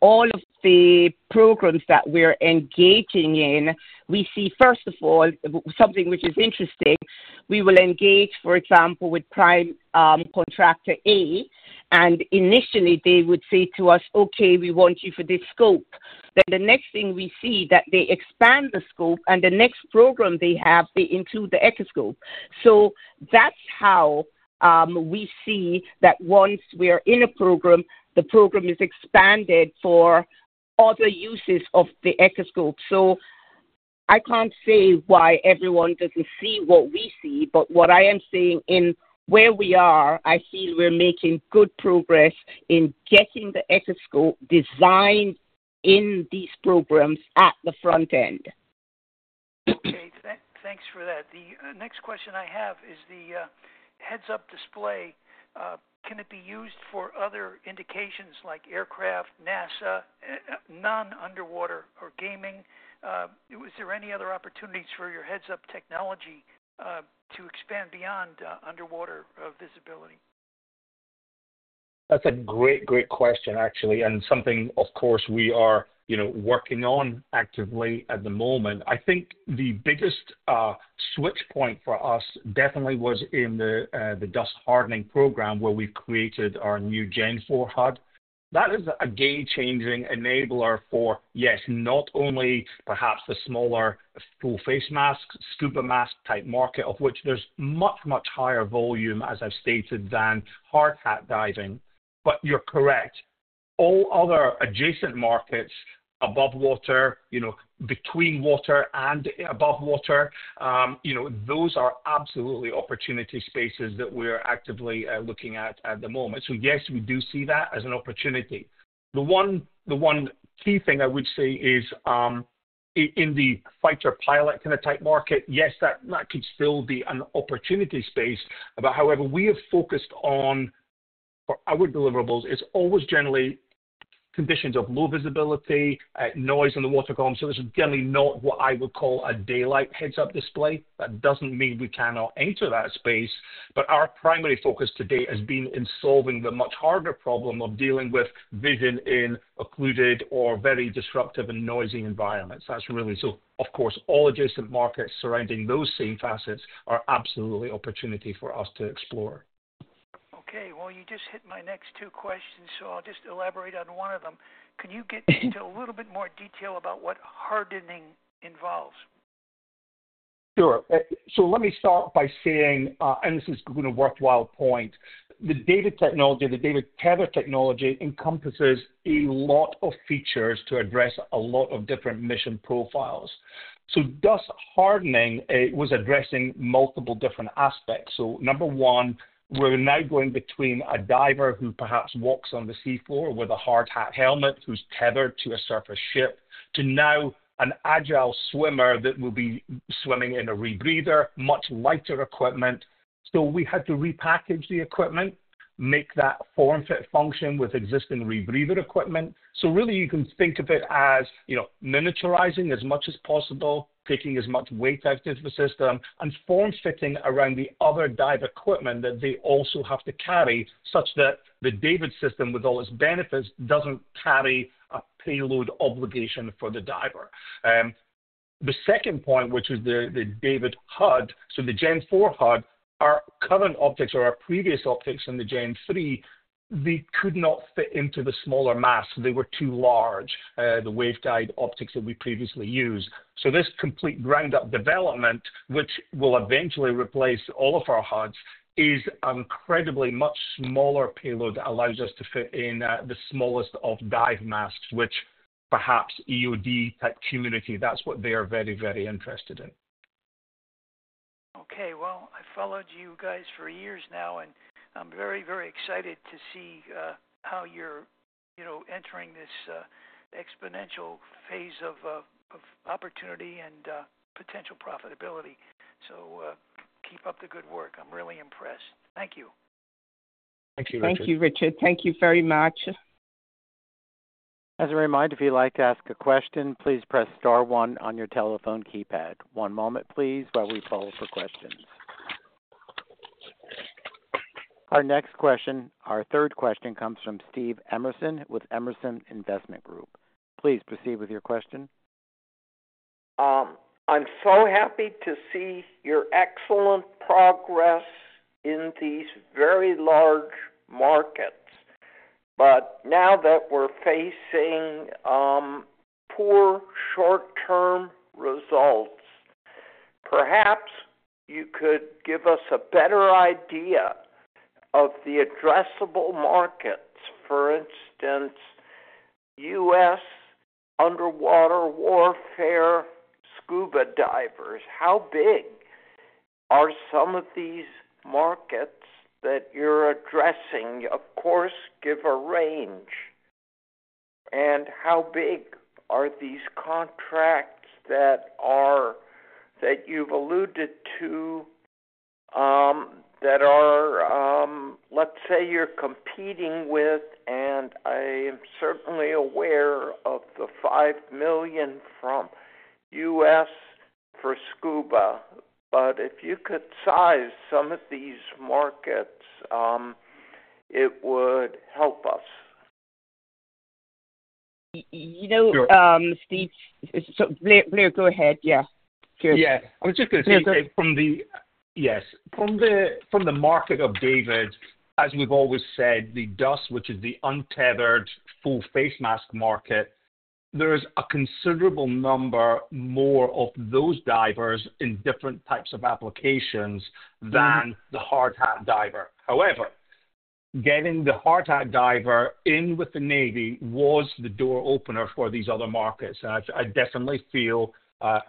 all of the programs that we're engaging in. We see, first of all, something which is interesting. We will engage, for example, with Prime Contractor A, and initially, they would say to us, "Okay, we want you for this scope." Then the next thing we see that they expand the scope, and the next program they have, they include the Echoscope. So that's how we see that once we are in a program, the program is expanded for other uses of the Echoscope. So I can't say why everyone doesn't see what we see, but what I am seeing in where we are, I feel we're making good progress in getting the Echoscope designed in these programs at the front end. Okay. Thanks for that. The next question I have is the head-up display. Can it be used for other indications like aircraft, NASA, non-underwater or gaming? Is there any other opportunities for your head-up technology to expand beyond underwater visibility? That's a great, great question, actually, and something, of course, we are working on actively at the moment. I think the biggest switch point for us definitely was in the DUS-hardening program where we've created our new Gen 4 HUD. That is a game-changing enabler for, yes, not only perhaps the smaller full-face masks, scuba mask-type market, of which there's much, much higher volume, as I've stated, than hard hat diving. But you're correct. All other adjacent markets, above water, between water and above water, those are absolutely opportunity spaces that we're actively looking at at the moment. So yes, we do see that as an opportunity. The one key thing I would say is in the fighter pilot kind of type market, yes, that could still be an opportunity space. But however, we have focused on our deliverables is always generally conditions of low visibility, noise in the water column. So this is generally not what I would call a daylight head-up display. That doesn't mean we cannot enter that space. But our primary focus today has been in solving the much harder problem of dealing with vision in occluded or very disruptive and noisy environments. So of course, all adjacent markets surrounding those same facets are absolutely opportunity for us to explore. Okay. You just hit my next two questions, so I'll just elaborate on one of them. Can you get into a little bit more detail about what hardening involves? Sure. So let me start by saying, and this is a worthwhile point, the DAVD technology, the DAVD tether technology encompasses a lot of features to address a lot of different mission profiles. So DAVD-hardening was addressing multiple different aspects. So number one, we're now going between a diver who perhaps walks on the seafloor with a hard hat helmet who's tethered to a surface ship to now an agile swimmer that will be swimming in a rebreather, much lighter equipment. So we had to repackage the equipment, make that form-fit function with existing rebreather equipment. So really, you can think of it as miniaturizing as much as possible, taking as much weight out of the system, and form-fitting around the other dive equipment that they also have to carry such that the DAVD system, with all its benefits, doesn't carry a payload obligation for the diver. The second point, which was the DAVD HUD, so the Gen 4 HUD, our current optics or our previous optics in the Gen 3, they could not fit into the smaller masks. They were too large, the waveguide optics that we previously used. So this complete ground-up development, which will eventually replace all of our HUDs, is an incredibly much smaller payload that allows us to fit in the smallest of dive masks, which perhaps EOD-type community, that's what they are very, very interested in. Okay. Well, I've followed you guys for years now, and I'm very, very excited to see how you're entering this exponential phase of opportunity and potential profitability. So keep up the good work. I'm really impressed. Thank you. Thank you, Richard. Thank you, Richard. Thank you very much. As a reminder, if you'd like to ask a question, please press star one on your telephone keypad. One moment, please, while we follow up for questions. Our third question comes from Steve Emerson with Emerson Investment Group. Please proceed with your question. I'm so happy to see your excellent progress in these very large markets. But now that we're facing poor short-term results, perhaps you could give us a better idea of the addressable markets, for instance, U.S. underwater warfare scuba divers. How big are some of these markets that you're addressing? Of course, give a range. How big are these contracts that you've alluded to that are, let's say, you're competing with? I am certainly aware of the $5 million from U.S. for scuba. If you could size some of these markets, it would help us. Sure. Blair, go ahead. Yeah. Sure. Yeah. I was just going to say from the market of DAVD, as we've always said, the DUS, which is the untethered full-face mask market. There is a considerable number more of those divers in different types of applications than the hard hat diver. However, getting the hard hat diver in with the Navy was the door opener for these other markets. I definitely feel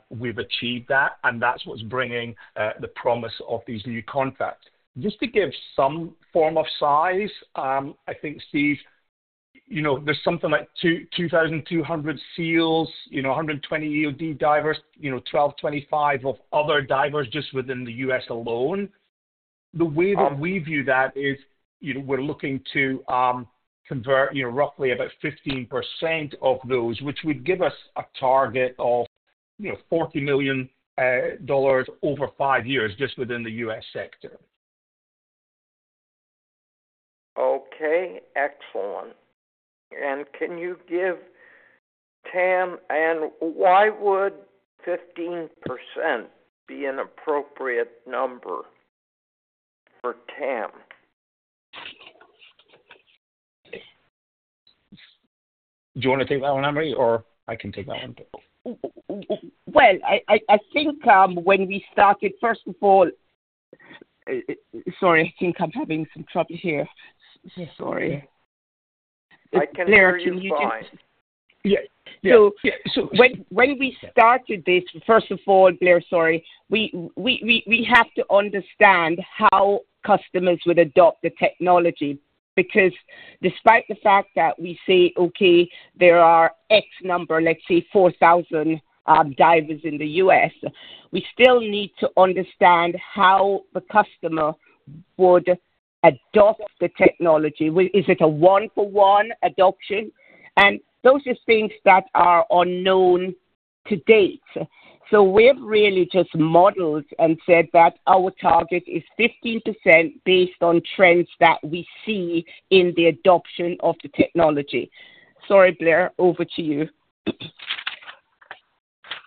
we've achieved that, and that's what's bringing the promise of these new contracts. Just to give some form of size, I think, Steve, there's something like 2,200 SEALs, 120 EOD divers, 1,225 of other divers just within the US alone. The way that we view that is we're looking to convert roughly about 15% of those, which would give us a target of $40 million over five years just within the US sector. Okay. Excellent. And can you give TAM? And why would 15% be an appropriate number for TAM? Do you want to take that one, Annmarie, or I can take that one? Well, I think when we started, first of all, sorry, I think I'm having some trouble here. Sorry. Blair, can you just, yeah. So when we started this, first of all, Blair, sorry, we have to understand how customers would adopt the technology because despite the fact that we say, "Okay, there are X number, let's say 4,000 divers in the U.S.," we still need to understand how the customer would adopt the technology. Is it a one-for-one adoption? And those are things that are unknown to date. So we've really just modeled and said that our target is 15% based on trends that we see in the adoption of the technology. Sorry, Blair, over to you.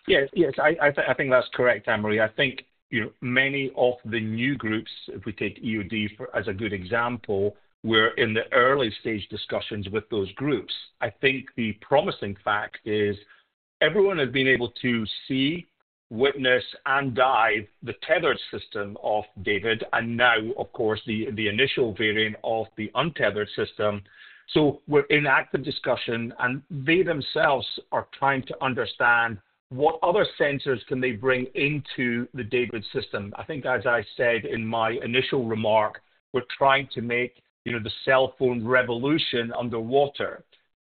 Yes. Yes. I think that's correct, Annmarie. I think many of the new groups, if we take EOD as a good example, were in the early-stage discussions with those groups. I think the promising fact is everyone has been able to see, witness, and dive the tethered system of DAVD, and now, of course, the initial variant of the untethered system. So we're in active discussion, and they themselves are trying to understand what other sensors can they bring into the DAVD system. I think, as I said in my initial remark, we're trying to make the cell phone revolution underwater.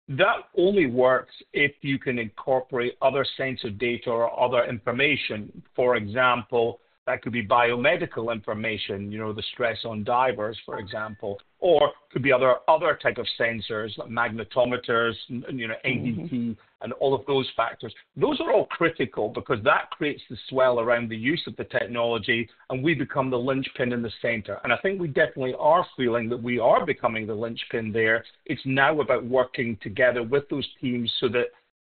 That only works if you can incorporate other sensor data or other information. For example, that could be biomedical information, the stress on divers, for example, or it could be other type of sensors like magnetometers, ADCP, and all of those factors. Those are all critical because that creates the swell around the use of the technology, and we become the linchpin in the center. And I think we definitely are feeling that we are becoming the linchpin there. It's now about working together with those teams so that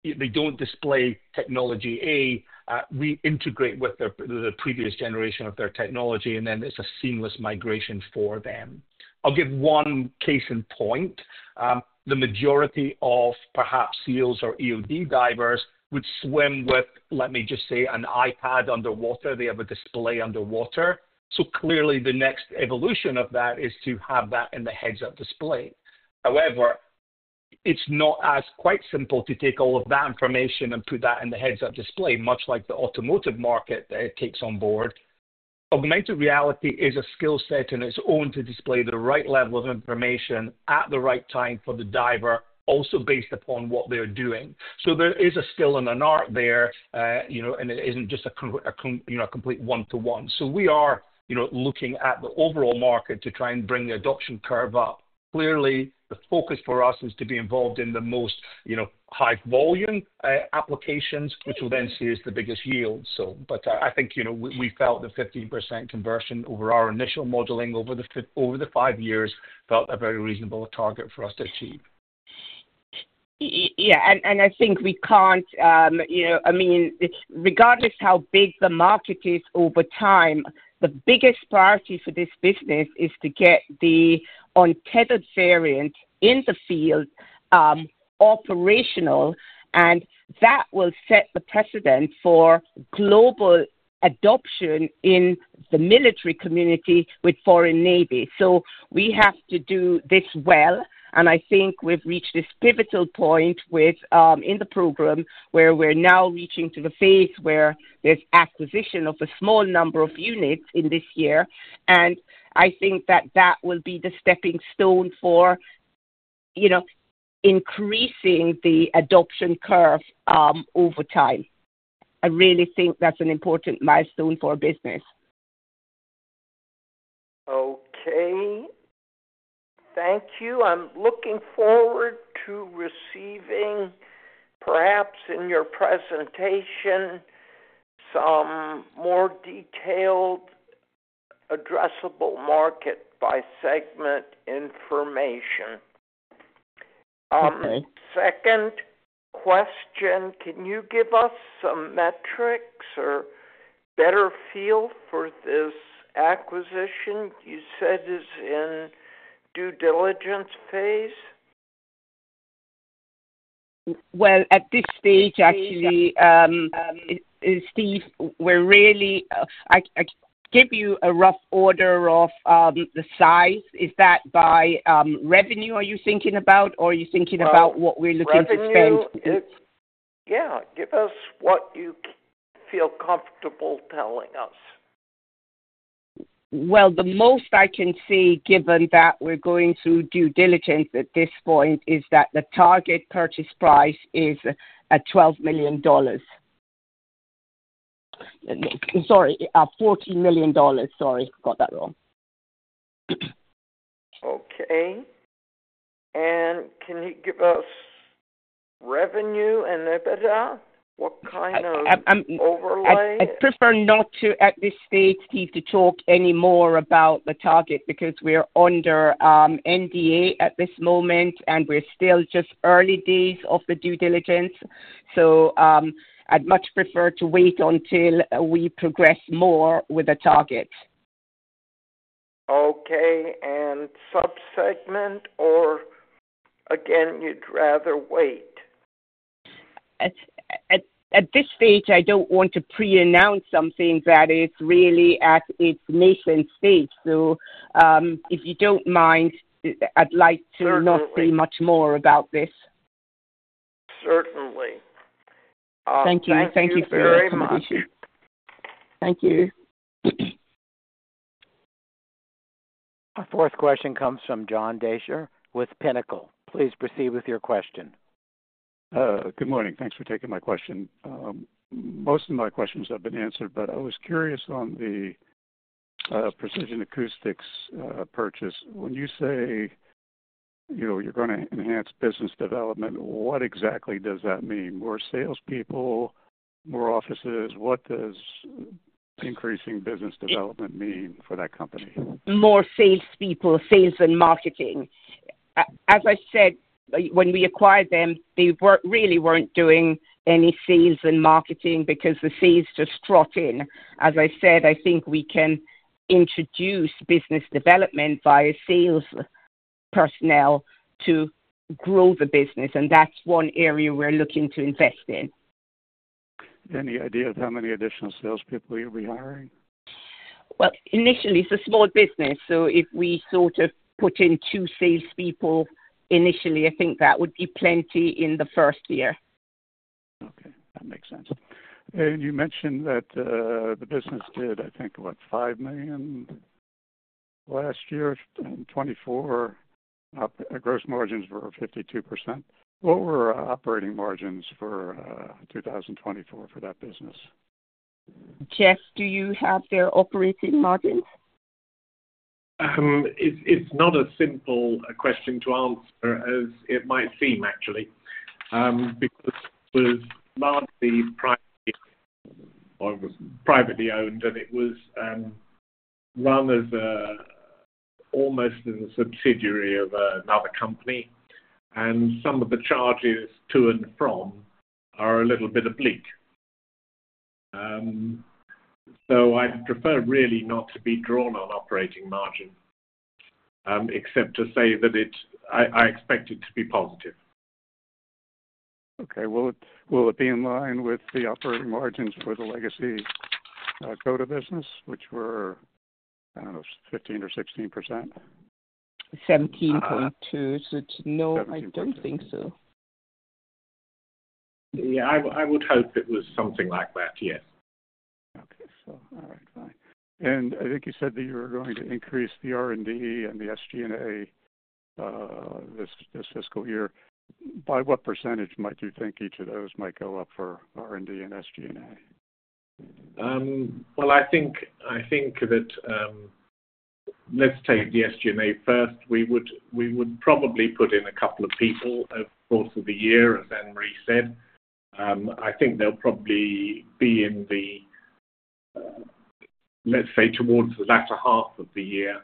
they don't display technology A, reintegrate with the previous generation of their technology, and then it's a seamless migration for them. I'll give one case in point. The majority of perhaps SEALs or EOD divers would swim with, let me just say, an iPad underwater. They have a display underwater. So clearly, the next evolution of that is to have that in the head-up display. However, it's not quite simple to take all of that information and put that in the head-up display, much like the automotive market that it takes on board. Augmented reality is a skill set in its own to display the right level of information at the right time for the diver, also based upon what they're doing. So there is a skill and an art there, and it isn't just a complete one-to-one. So we are looking at the overall market to try and bring the adoption curve up. Clearly, the focus for us is to be involved in the most high-volume applications, which we'll then see is the biggest yield. But I think we felt the 15% conversion over our initial modeling over the five years felt a very reasonable target for us to achieve. Yeah. And I think we can't. I mean, regardless how big the market is over time, the biggest priority for this business is to get the untethered variant in the field operational, and that will set the precedent for global adoption in the military community with foreign navy. So we have to do this well. And I think we've reached this pivotal point in the program where we're now reaching to the phase where there's acquisition of a small number of units in this year. And I think that will be the stepping stone for increasing the adoption curve over time. I really think that's an important milestone for our business. Okay. Thank you. I'm looking forward to receiving, perhaps in your presentation, some more detailed addressable market-by-segment information. Second question, can you give us some metrics or better feel for this acquisition you said is in due diligence phase? Well, at this stage, actually, Steve, I can give you a rough order of the size. Is that by revenue are you thinking about, or are you thinking about what we're looking to spend? Yeah. Give us what you feel comfortable telling us. Well, the most I can see, given that we're going through due diligence at this point, is that the target purchase price is at $12 million, sorry, $14 million. Sorry, got that wrong. Okay. And can you give us revenue and EBITDA? What kind of overlay? I prefer not to, at this stage, Steve, to talk anymore about the target because we're under NDA at this moment, and we're still just early days of the due diligence. So I'd much prefer to wait until we progress more with the target. Okay. And subsegment, or again, you'd rather wait? At this stage, I don't want to pre-announce something that is really at its nascent stage. So if you don't mind, I'd like to not say much more about this. Certainly. Thank you. Thank you for your accommodation. Thank you. Our fourth question comes from John Dasher with Pinnacle. Please proceed with your question. Good morning. Thanks for taking my question. Most of my questions have been answered, but I was curious on the Precision Acoustics purchase. When you say you're going to enhance business development, what exactly does that mean? More salespeople, more offices? What does increasing business development mean for that company? More salespeople, sales and marketing. As I said, when we acquired them, they really weren't doing any sales and marketing because the sales just dropped in. As I said, I think we can introduce business development via sales personnel to grow the business, and that's one area we're looking to invest in. Any idea of how many additional salespeople you'll be hiring? Well, initially, it's a small business. So if we sort of put in two salespeople initially, I think that would be plenty in the first year. Okay. That makes sense. And you mentioned that the business did, I think, what, $5 million last year in 2024? Gross margins were 52%. What were operating margins for 2024 for that business? Jeff, do you have their operating margins? It's not a simple question to answer as it might seem, actually, because it was largely privately owned, and it was run almost as a subsidiary of another company. And some of the charges to and from are a little bit oblique. So I'd prefer really not to be drawn on operating margin except to say that I expect it to be positive. Okay. Will it be in line with the operating margins for the legacy Coda business, which were, I don't know, 15 or 16%? 17.2%. So it's no, I don't think so. Yeah. I would hope it was something like that. Yes. Okay. All right. Fine. And I think you said that you were going to increase the R&D and the SG&A this fiscal year. By what percentage might you think each of those might go up for R&D and SG&A? I think that let's take the SG&A first. We would probably put in a couple of people over the course of the year, as Annmarie said. I think they'll probably be in the, let's say, towards the latter half of the year.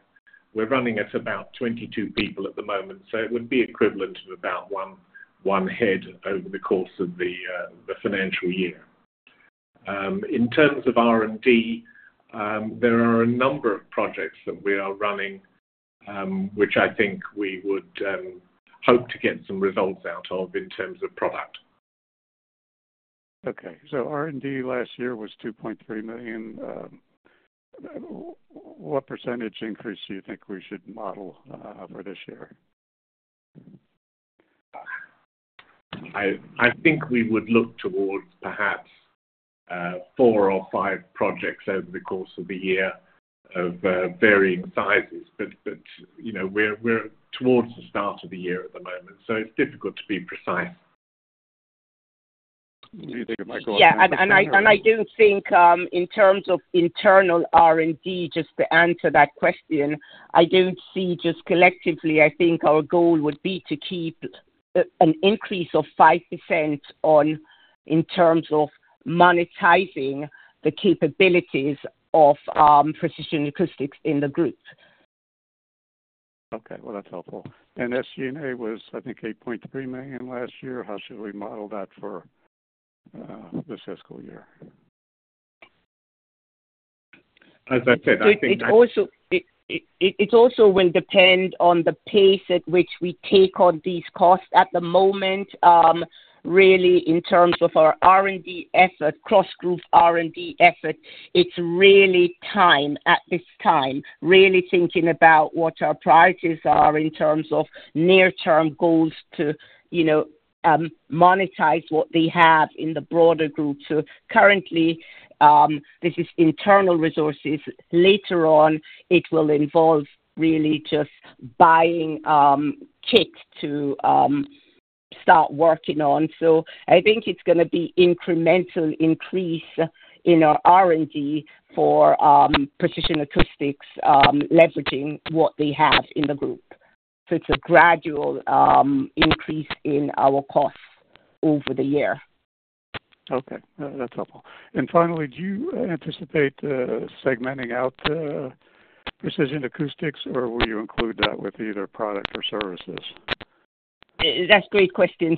We're running at about 22 people at the moment, so it would be equivalent to about one head over the course of the financial year. In terms of R&D, there are a number of projects that we are running, which I think we would hope to get some results out of in terms of product. Okay. So R&D last year was $2.3 million. What percentage increase do you think we should model for this year? I think we would look towards perhaps four or five projects over the course of the year of varying sizes, but we're towards the start of the year at the moment, so it's difficult to be precise. Do you think it might go up? Yeah. And I don't think in terms of internal R&D, just to answer that question, I don't see just collectively, I think our goal would be to keep an increase of 5% in terms of monetizing the capabilities of Precision Acoustics in the group. Okay. Well, that's helpful. And SG&A was, I think, $8.3 million last year. How should we model that for this fiscal year? As I said, I think that it's also going to depend on the pace at which we take on these costs at the moment. Really, in terms of our R&D effort, cross-group R&D effort, it's really, at this time, thinking about what our priorities are in terms of near-term goals to monetize what they have in the broader group. Currently, this is internal resources. Later on, it will involve really just buying kits to start working on. I think it's going to be an incremental increase in our R&D for Precision Acoustics leveraging what they have in the group. It's a gradual increase in our costs over the year. Okay. That's helpful. And finally, do you anticipate segmenting out Precision Acoustics, or will you include that with either product or services? That's a great question. In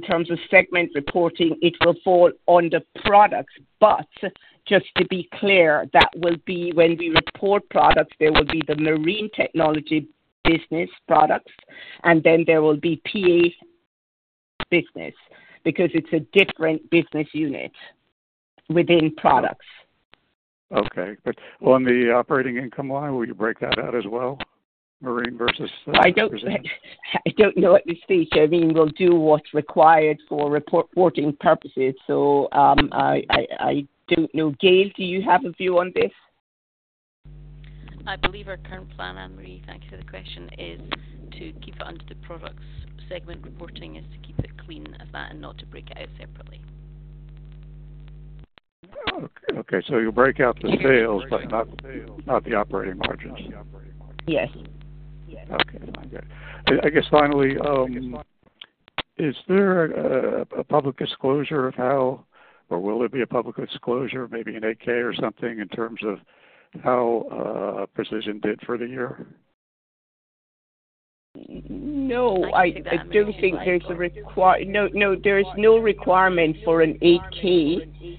terms of segment reporting, it will fall on the products. But just to be clear, that will be when we report products, there will be the marine technology business products, and then there will be PA business because it's a different business unit within products. Okay. Well, on the operating income line, will you break that out as well? Marine versus? I don't know at this stage. I mean, we'll do what's required for reporting purposes. So I don't know. Gayle, do you have a view on this? I believe our current plan, Annmarie, thanks for the question, is to keep it under the products segment reporting is to keep it clean as that and not to break it out separately. Okay. So you'll break out the sales, but not the operating margins? Yes. Yes. Okay. Good. I guess finally, is there a public disclosure of how, or will there be a public disclosure, maybe an 8-K or something in terms of how Precision did for the year? No. I don't think there's a requirement. No, there is no requirement for an 8-K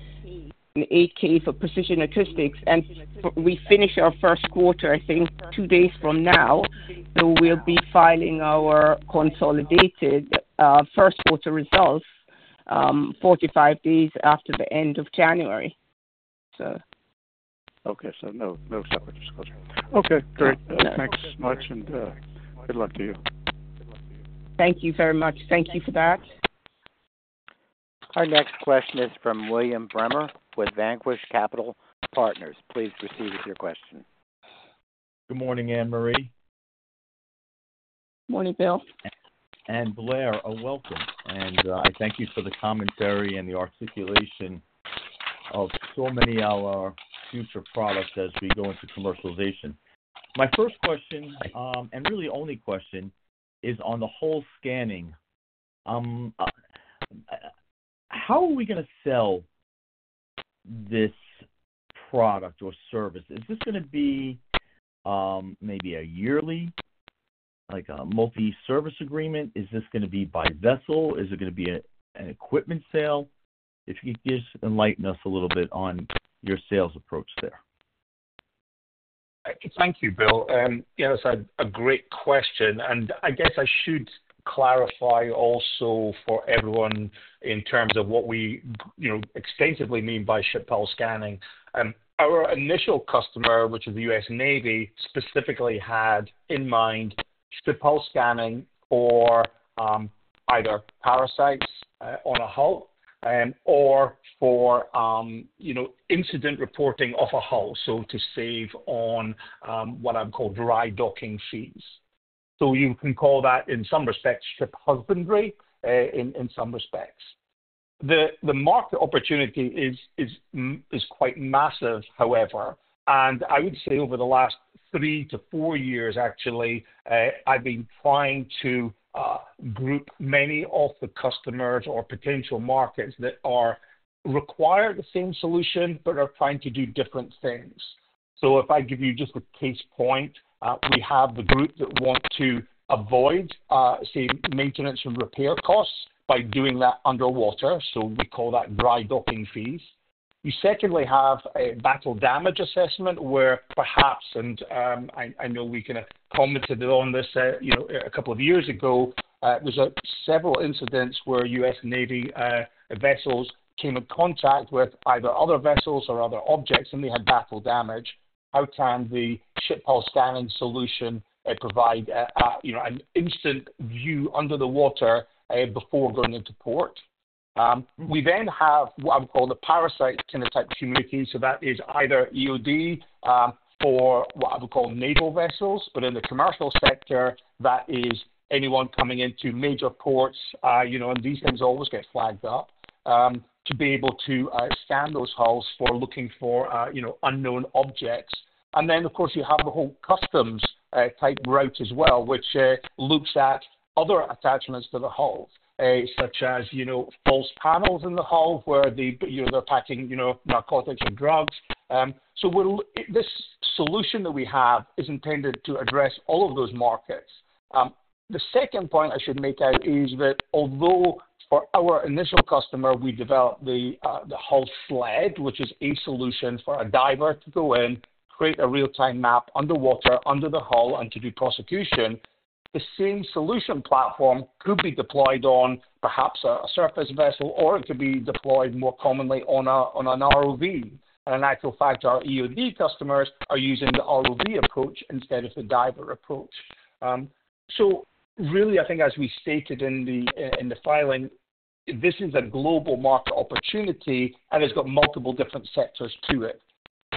for Precision Acoustics. And we finish our first quarter, I think, two days from now. So we'll be filing our consolidated first quarter results 45 days after the end of January, so. Okay. So no separate disclosure. Okay. Great. Thanks much, and good luck to you. Thank you very much. Thank you for that. Our next question is from William Bremer with Vanquish Capital Partners. Please proceed with your question. Good morning, Annmarie. Morning, Bill. And Blair, a welcome. And I thank you for the commentary and the articulation of so many of our future products as we go into commercialization. My first question, and really only question, is on the whole scanning. How are we going to sell this product or service? Is this going to be maybe a yearly multi-service agreement? Is this going to be by vessel? Is it going to be an equipment sale? If you could just enlighten us a little bit on your sales approach there. Thank you, Bill. That's a great question, and I guess I should clarify also for everyone in terms of what we extensively mean by ship hull scanning. Our initial customer, which is the U.S. Navy, specifically had in mind ship hull scanning for either parasites on a hull or for incident reporting off a hull, so to save on what I'm calling dry docking fees, so you can call that in some respects ship husbandry in some respects. The market opportunity is quite massive, however. I would say over the last three to four years, actually, I've been trying to group many of the customers or potential markets that require the same solution but are trying to do different things. If I give you just a case in point, we have the group that want to avoid maintenance and repair costs by doing that underwater. We call that dry docking fees. You secondly have a battle damage assessment where perhaps, and I know we can comment on this a couple of years ago, there were several incidents where U.S. Navy vessels came in contact with either other vessels or other objects, and they had battle damage. How can the ship hull scanning solution provide an instant view under the water before going into port? We then have what I would call the parasite kind of type community. So that is either EOD for what I would call naval vessels, but in the commercial sector, that is anyone coming into major ports. And these things always get flagged up to be able to scan those hulls for looking for unknown objects. And then, of course, you have the whole customs-type route as well, which looks at other attachments to the hull, such as false panels in the hull where they're packing narcotics and drugs. So this solution that we have is intended to address all of those markets. The second point I should point out is that although for our initial customer, we developed the hull sled, which is a solution for a diver to go in, create a real-time map underwater under the hull, and to do inspection, the same solution platform could be deployed on perhaps a surface vessel, or it could be deployed more commonly on an ROV. And in actual fact, our EOD customers are using the ROV approach instead of the diver approach. So really, I think as we stated in the filing, this is a global market opportunity, and it's got multiple different sectors to it.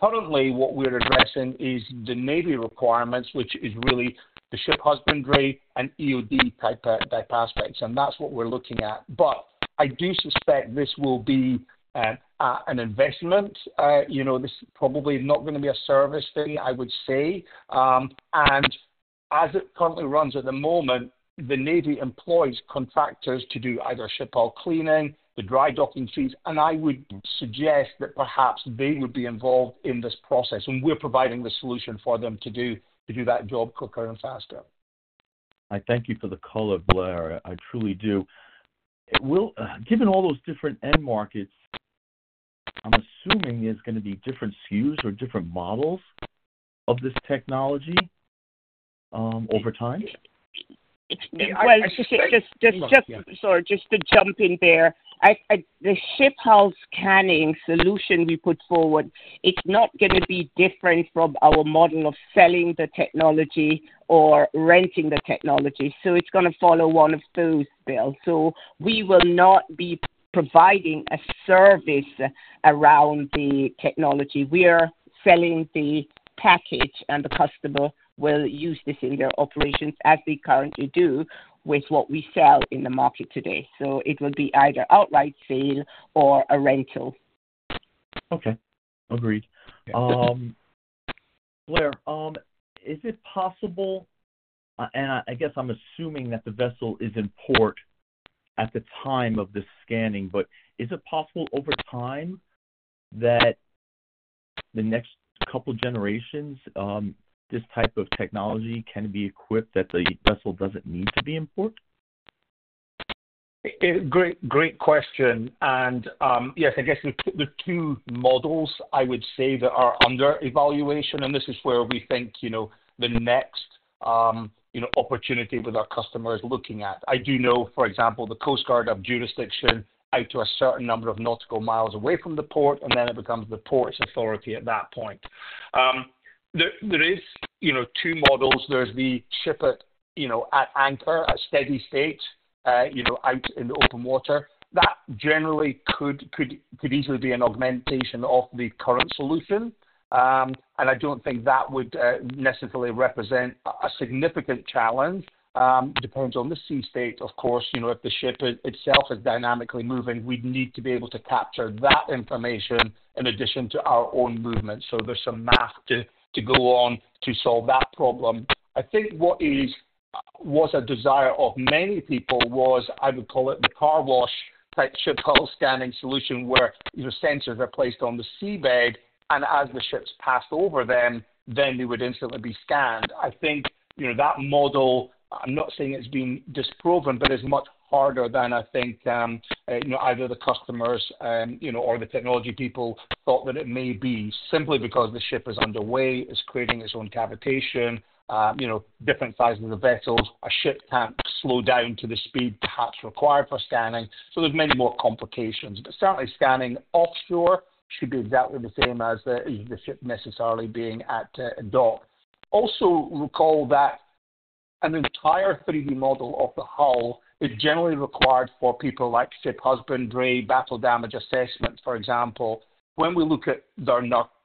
Currently, what we're addressing is the Navy requirements, which is really the ship husbandry and EOD-type aspects. And that's what we're looking at. But I do suspect this will be an investment. This is probably not going to be a service thing, I would say. And as it currently runs at the moment, the Navy employs contractors to do either ship hull cleaning, the dry docking fees. And I would suggest that perhaps they would be involved in this process, and we're providing the solution for them to do that job quicker and faster. I thank you for the call, Blair. I truly do. Given all those different end markets, I'm assuming there's going to be different SKUs or different models of this technology over time. Well, sorry, just to jump in there. The ship hull scanning solution we put forward, it's not going to be different from our model of selling the technology or renting the technology. So it's going to follow one of those, Bill. So we will not be providing a service around the technology. We are selling the package, and the customer will use this in their operations as they currently do with what we sell in the market today, so it will be either outright sale or a rental. Okay. Agreed. Blair, is it possible, and I guess I'm assuming that the vessel is in port at the time of the scanning, but is it possible over time that the next couple of generations, this type of technology can be equipped that the vessel doesn't ne ed to be in port? Great question, and yes, I guess the two models, I would say, that are under evaluation, and this is where we think the next opportunity with our customer is looking at. I do know, for example, the Coast Guard has jurisdiction out to a certain number of nautical miles away from the port, and then it becomes the port's authority at that point. There are two models. There's the ship at anchor, a steady state out in the open water. That generally could easily be an augmentation of the current solution. And I don't think that would necessarily represent a significant challenge. It depends on the sea state, of course. If the ship itself is dynamically moving, we'd need to be able to capture that information in addition to our own movement. So there's some math to go on to solve that problem. I think what was a desire of many people was, I would call it the carwash-type ship hull scanning solution where sensors are placed on the seabed, and as the ships pass over them, then they would instantly be scanned. I think that model, I'm not saying it's been disproven, but it's much harder than I think either the customers or the technology people thought that it may be simply because the ship is underway, is creating its own cavitation, different sizes of vessels. A ship can't slow down to the speed perhaps required for scanning, so there's many more complications, but certainly, scanning offshore should be exactly the same as the ship necessarily being at dock. Also, recall that an entire 3D model of the hull is generally required for people like ship husbandry, battle damage assessment, for example. When we look at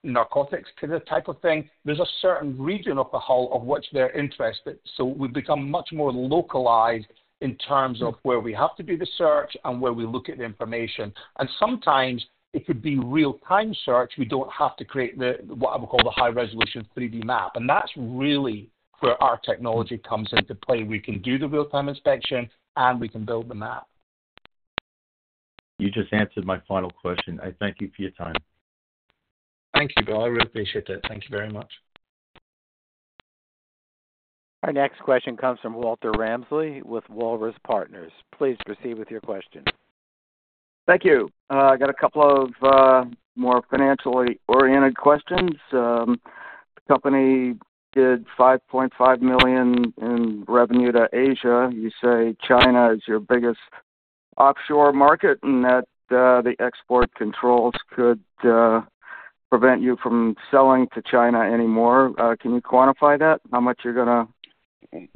narcotics kind of type of thing, there's a certain region of the hull of which they're interested, so we've become much more localized in terms of where we have to do the search and where we look at the information, and sometimes it could be real-time search. We don't have to create what I would call the high-resolution 3D map, and that's really where our technology comes into play. We can do the real-time inspection, and we can build the map. You just answered my final question. I thank you for your time. Thank you, Bill. I really appreciate it. Thank you very much. Our next question comes from Walter Ramsley with Walrus Partners. Please proceed with your question. Thank you. I got a couple of more financially oriented questions. The company did $5.5 million in revenue to Asia. You say China is your biggest offshore market, and that the export controls could prevent you from selling to China anymore. Can you quantify that? How much you're going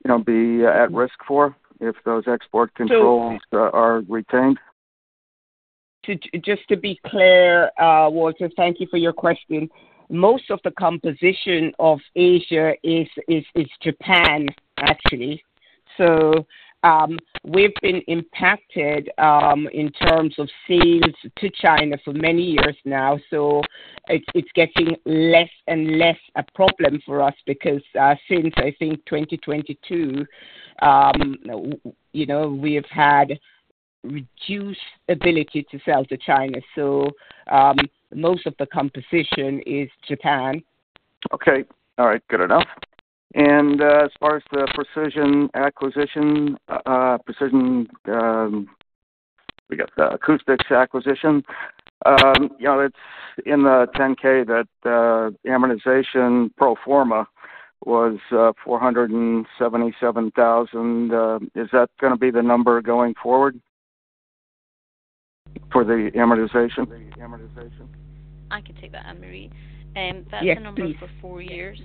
to be at risk for if those export controls are retained? Just to be clear, Walter, thank you for your question. Most of the composition of Asia is Japan, actually. So we've been impacted in terms of sales to China for many years now. So it's getting less and less a problem for us because since, I think, 2022, we've had reduced ability to sell to China. So most of the composition is Japan. Okay. All right. Good enough. And as far as the Precision acquisition, we got the acoustics acquisition. It's in the 10-K that amortization pro forma was $477,000. Is that going to be the number going forward for the amortization? I can take that, Annmarie. That's the number for four years.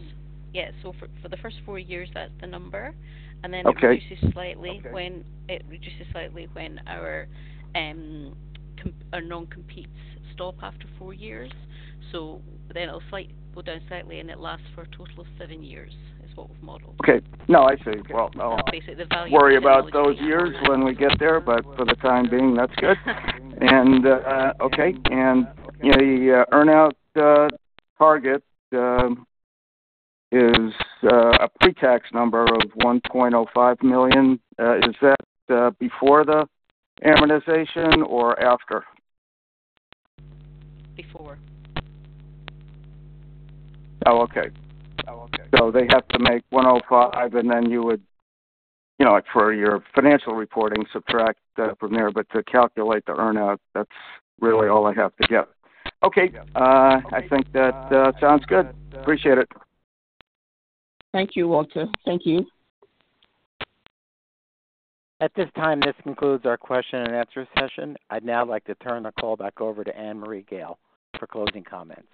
Yeah. So for the first four years, that's the number. And then it reduces slightly when our non-competes stop after four years. So then it'll go down slightly, and it lasts for a total of seven years is what we've modeled. Okay. No, I see. Well, I'll basically worry about those years when we get there. But for the time being, that's good. And okay. And the earnout target is a pre-tax number of $1.05 million. Is that before the amortization or after? Before. Oh, okay. So they have to make $1.05 million, and then you would, for your financial reporting, subtract from there. But to calculate the earnout, that's really all I have to get. Okay. I think that sounds good. Appreciate it. Thank you, Walter. Thank you. At this time, this concludes our question-and-answer session. I'd now like to turn the call back over to Annmarie Gayle for closing comments.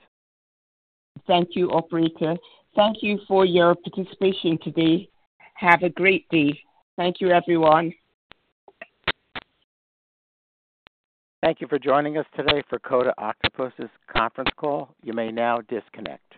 Thank you, Alberica. Thank you for your participation today. Have a great day. Thank you, everyone. Thank you for joining us today for Coda Octopus's conference call. You may now disconnect.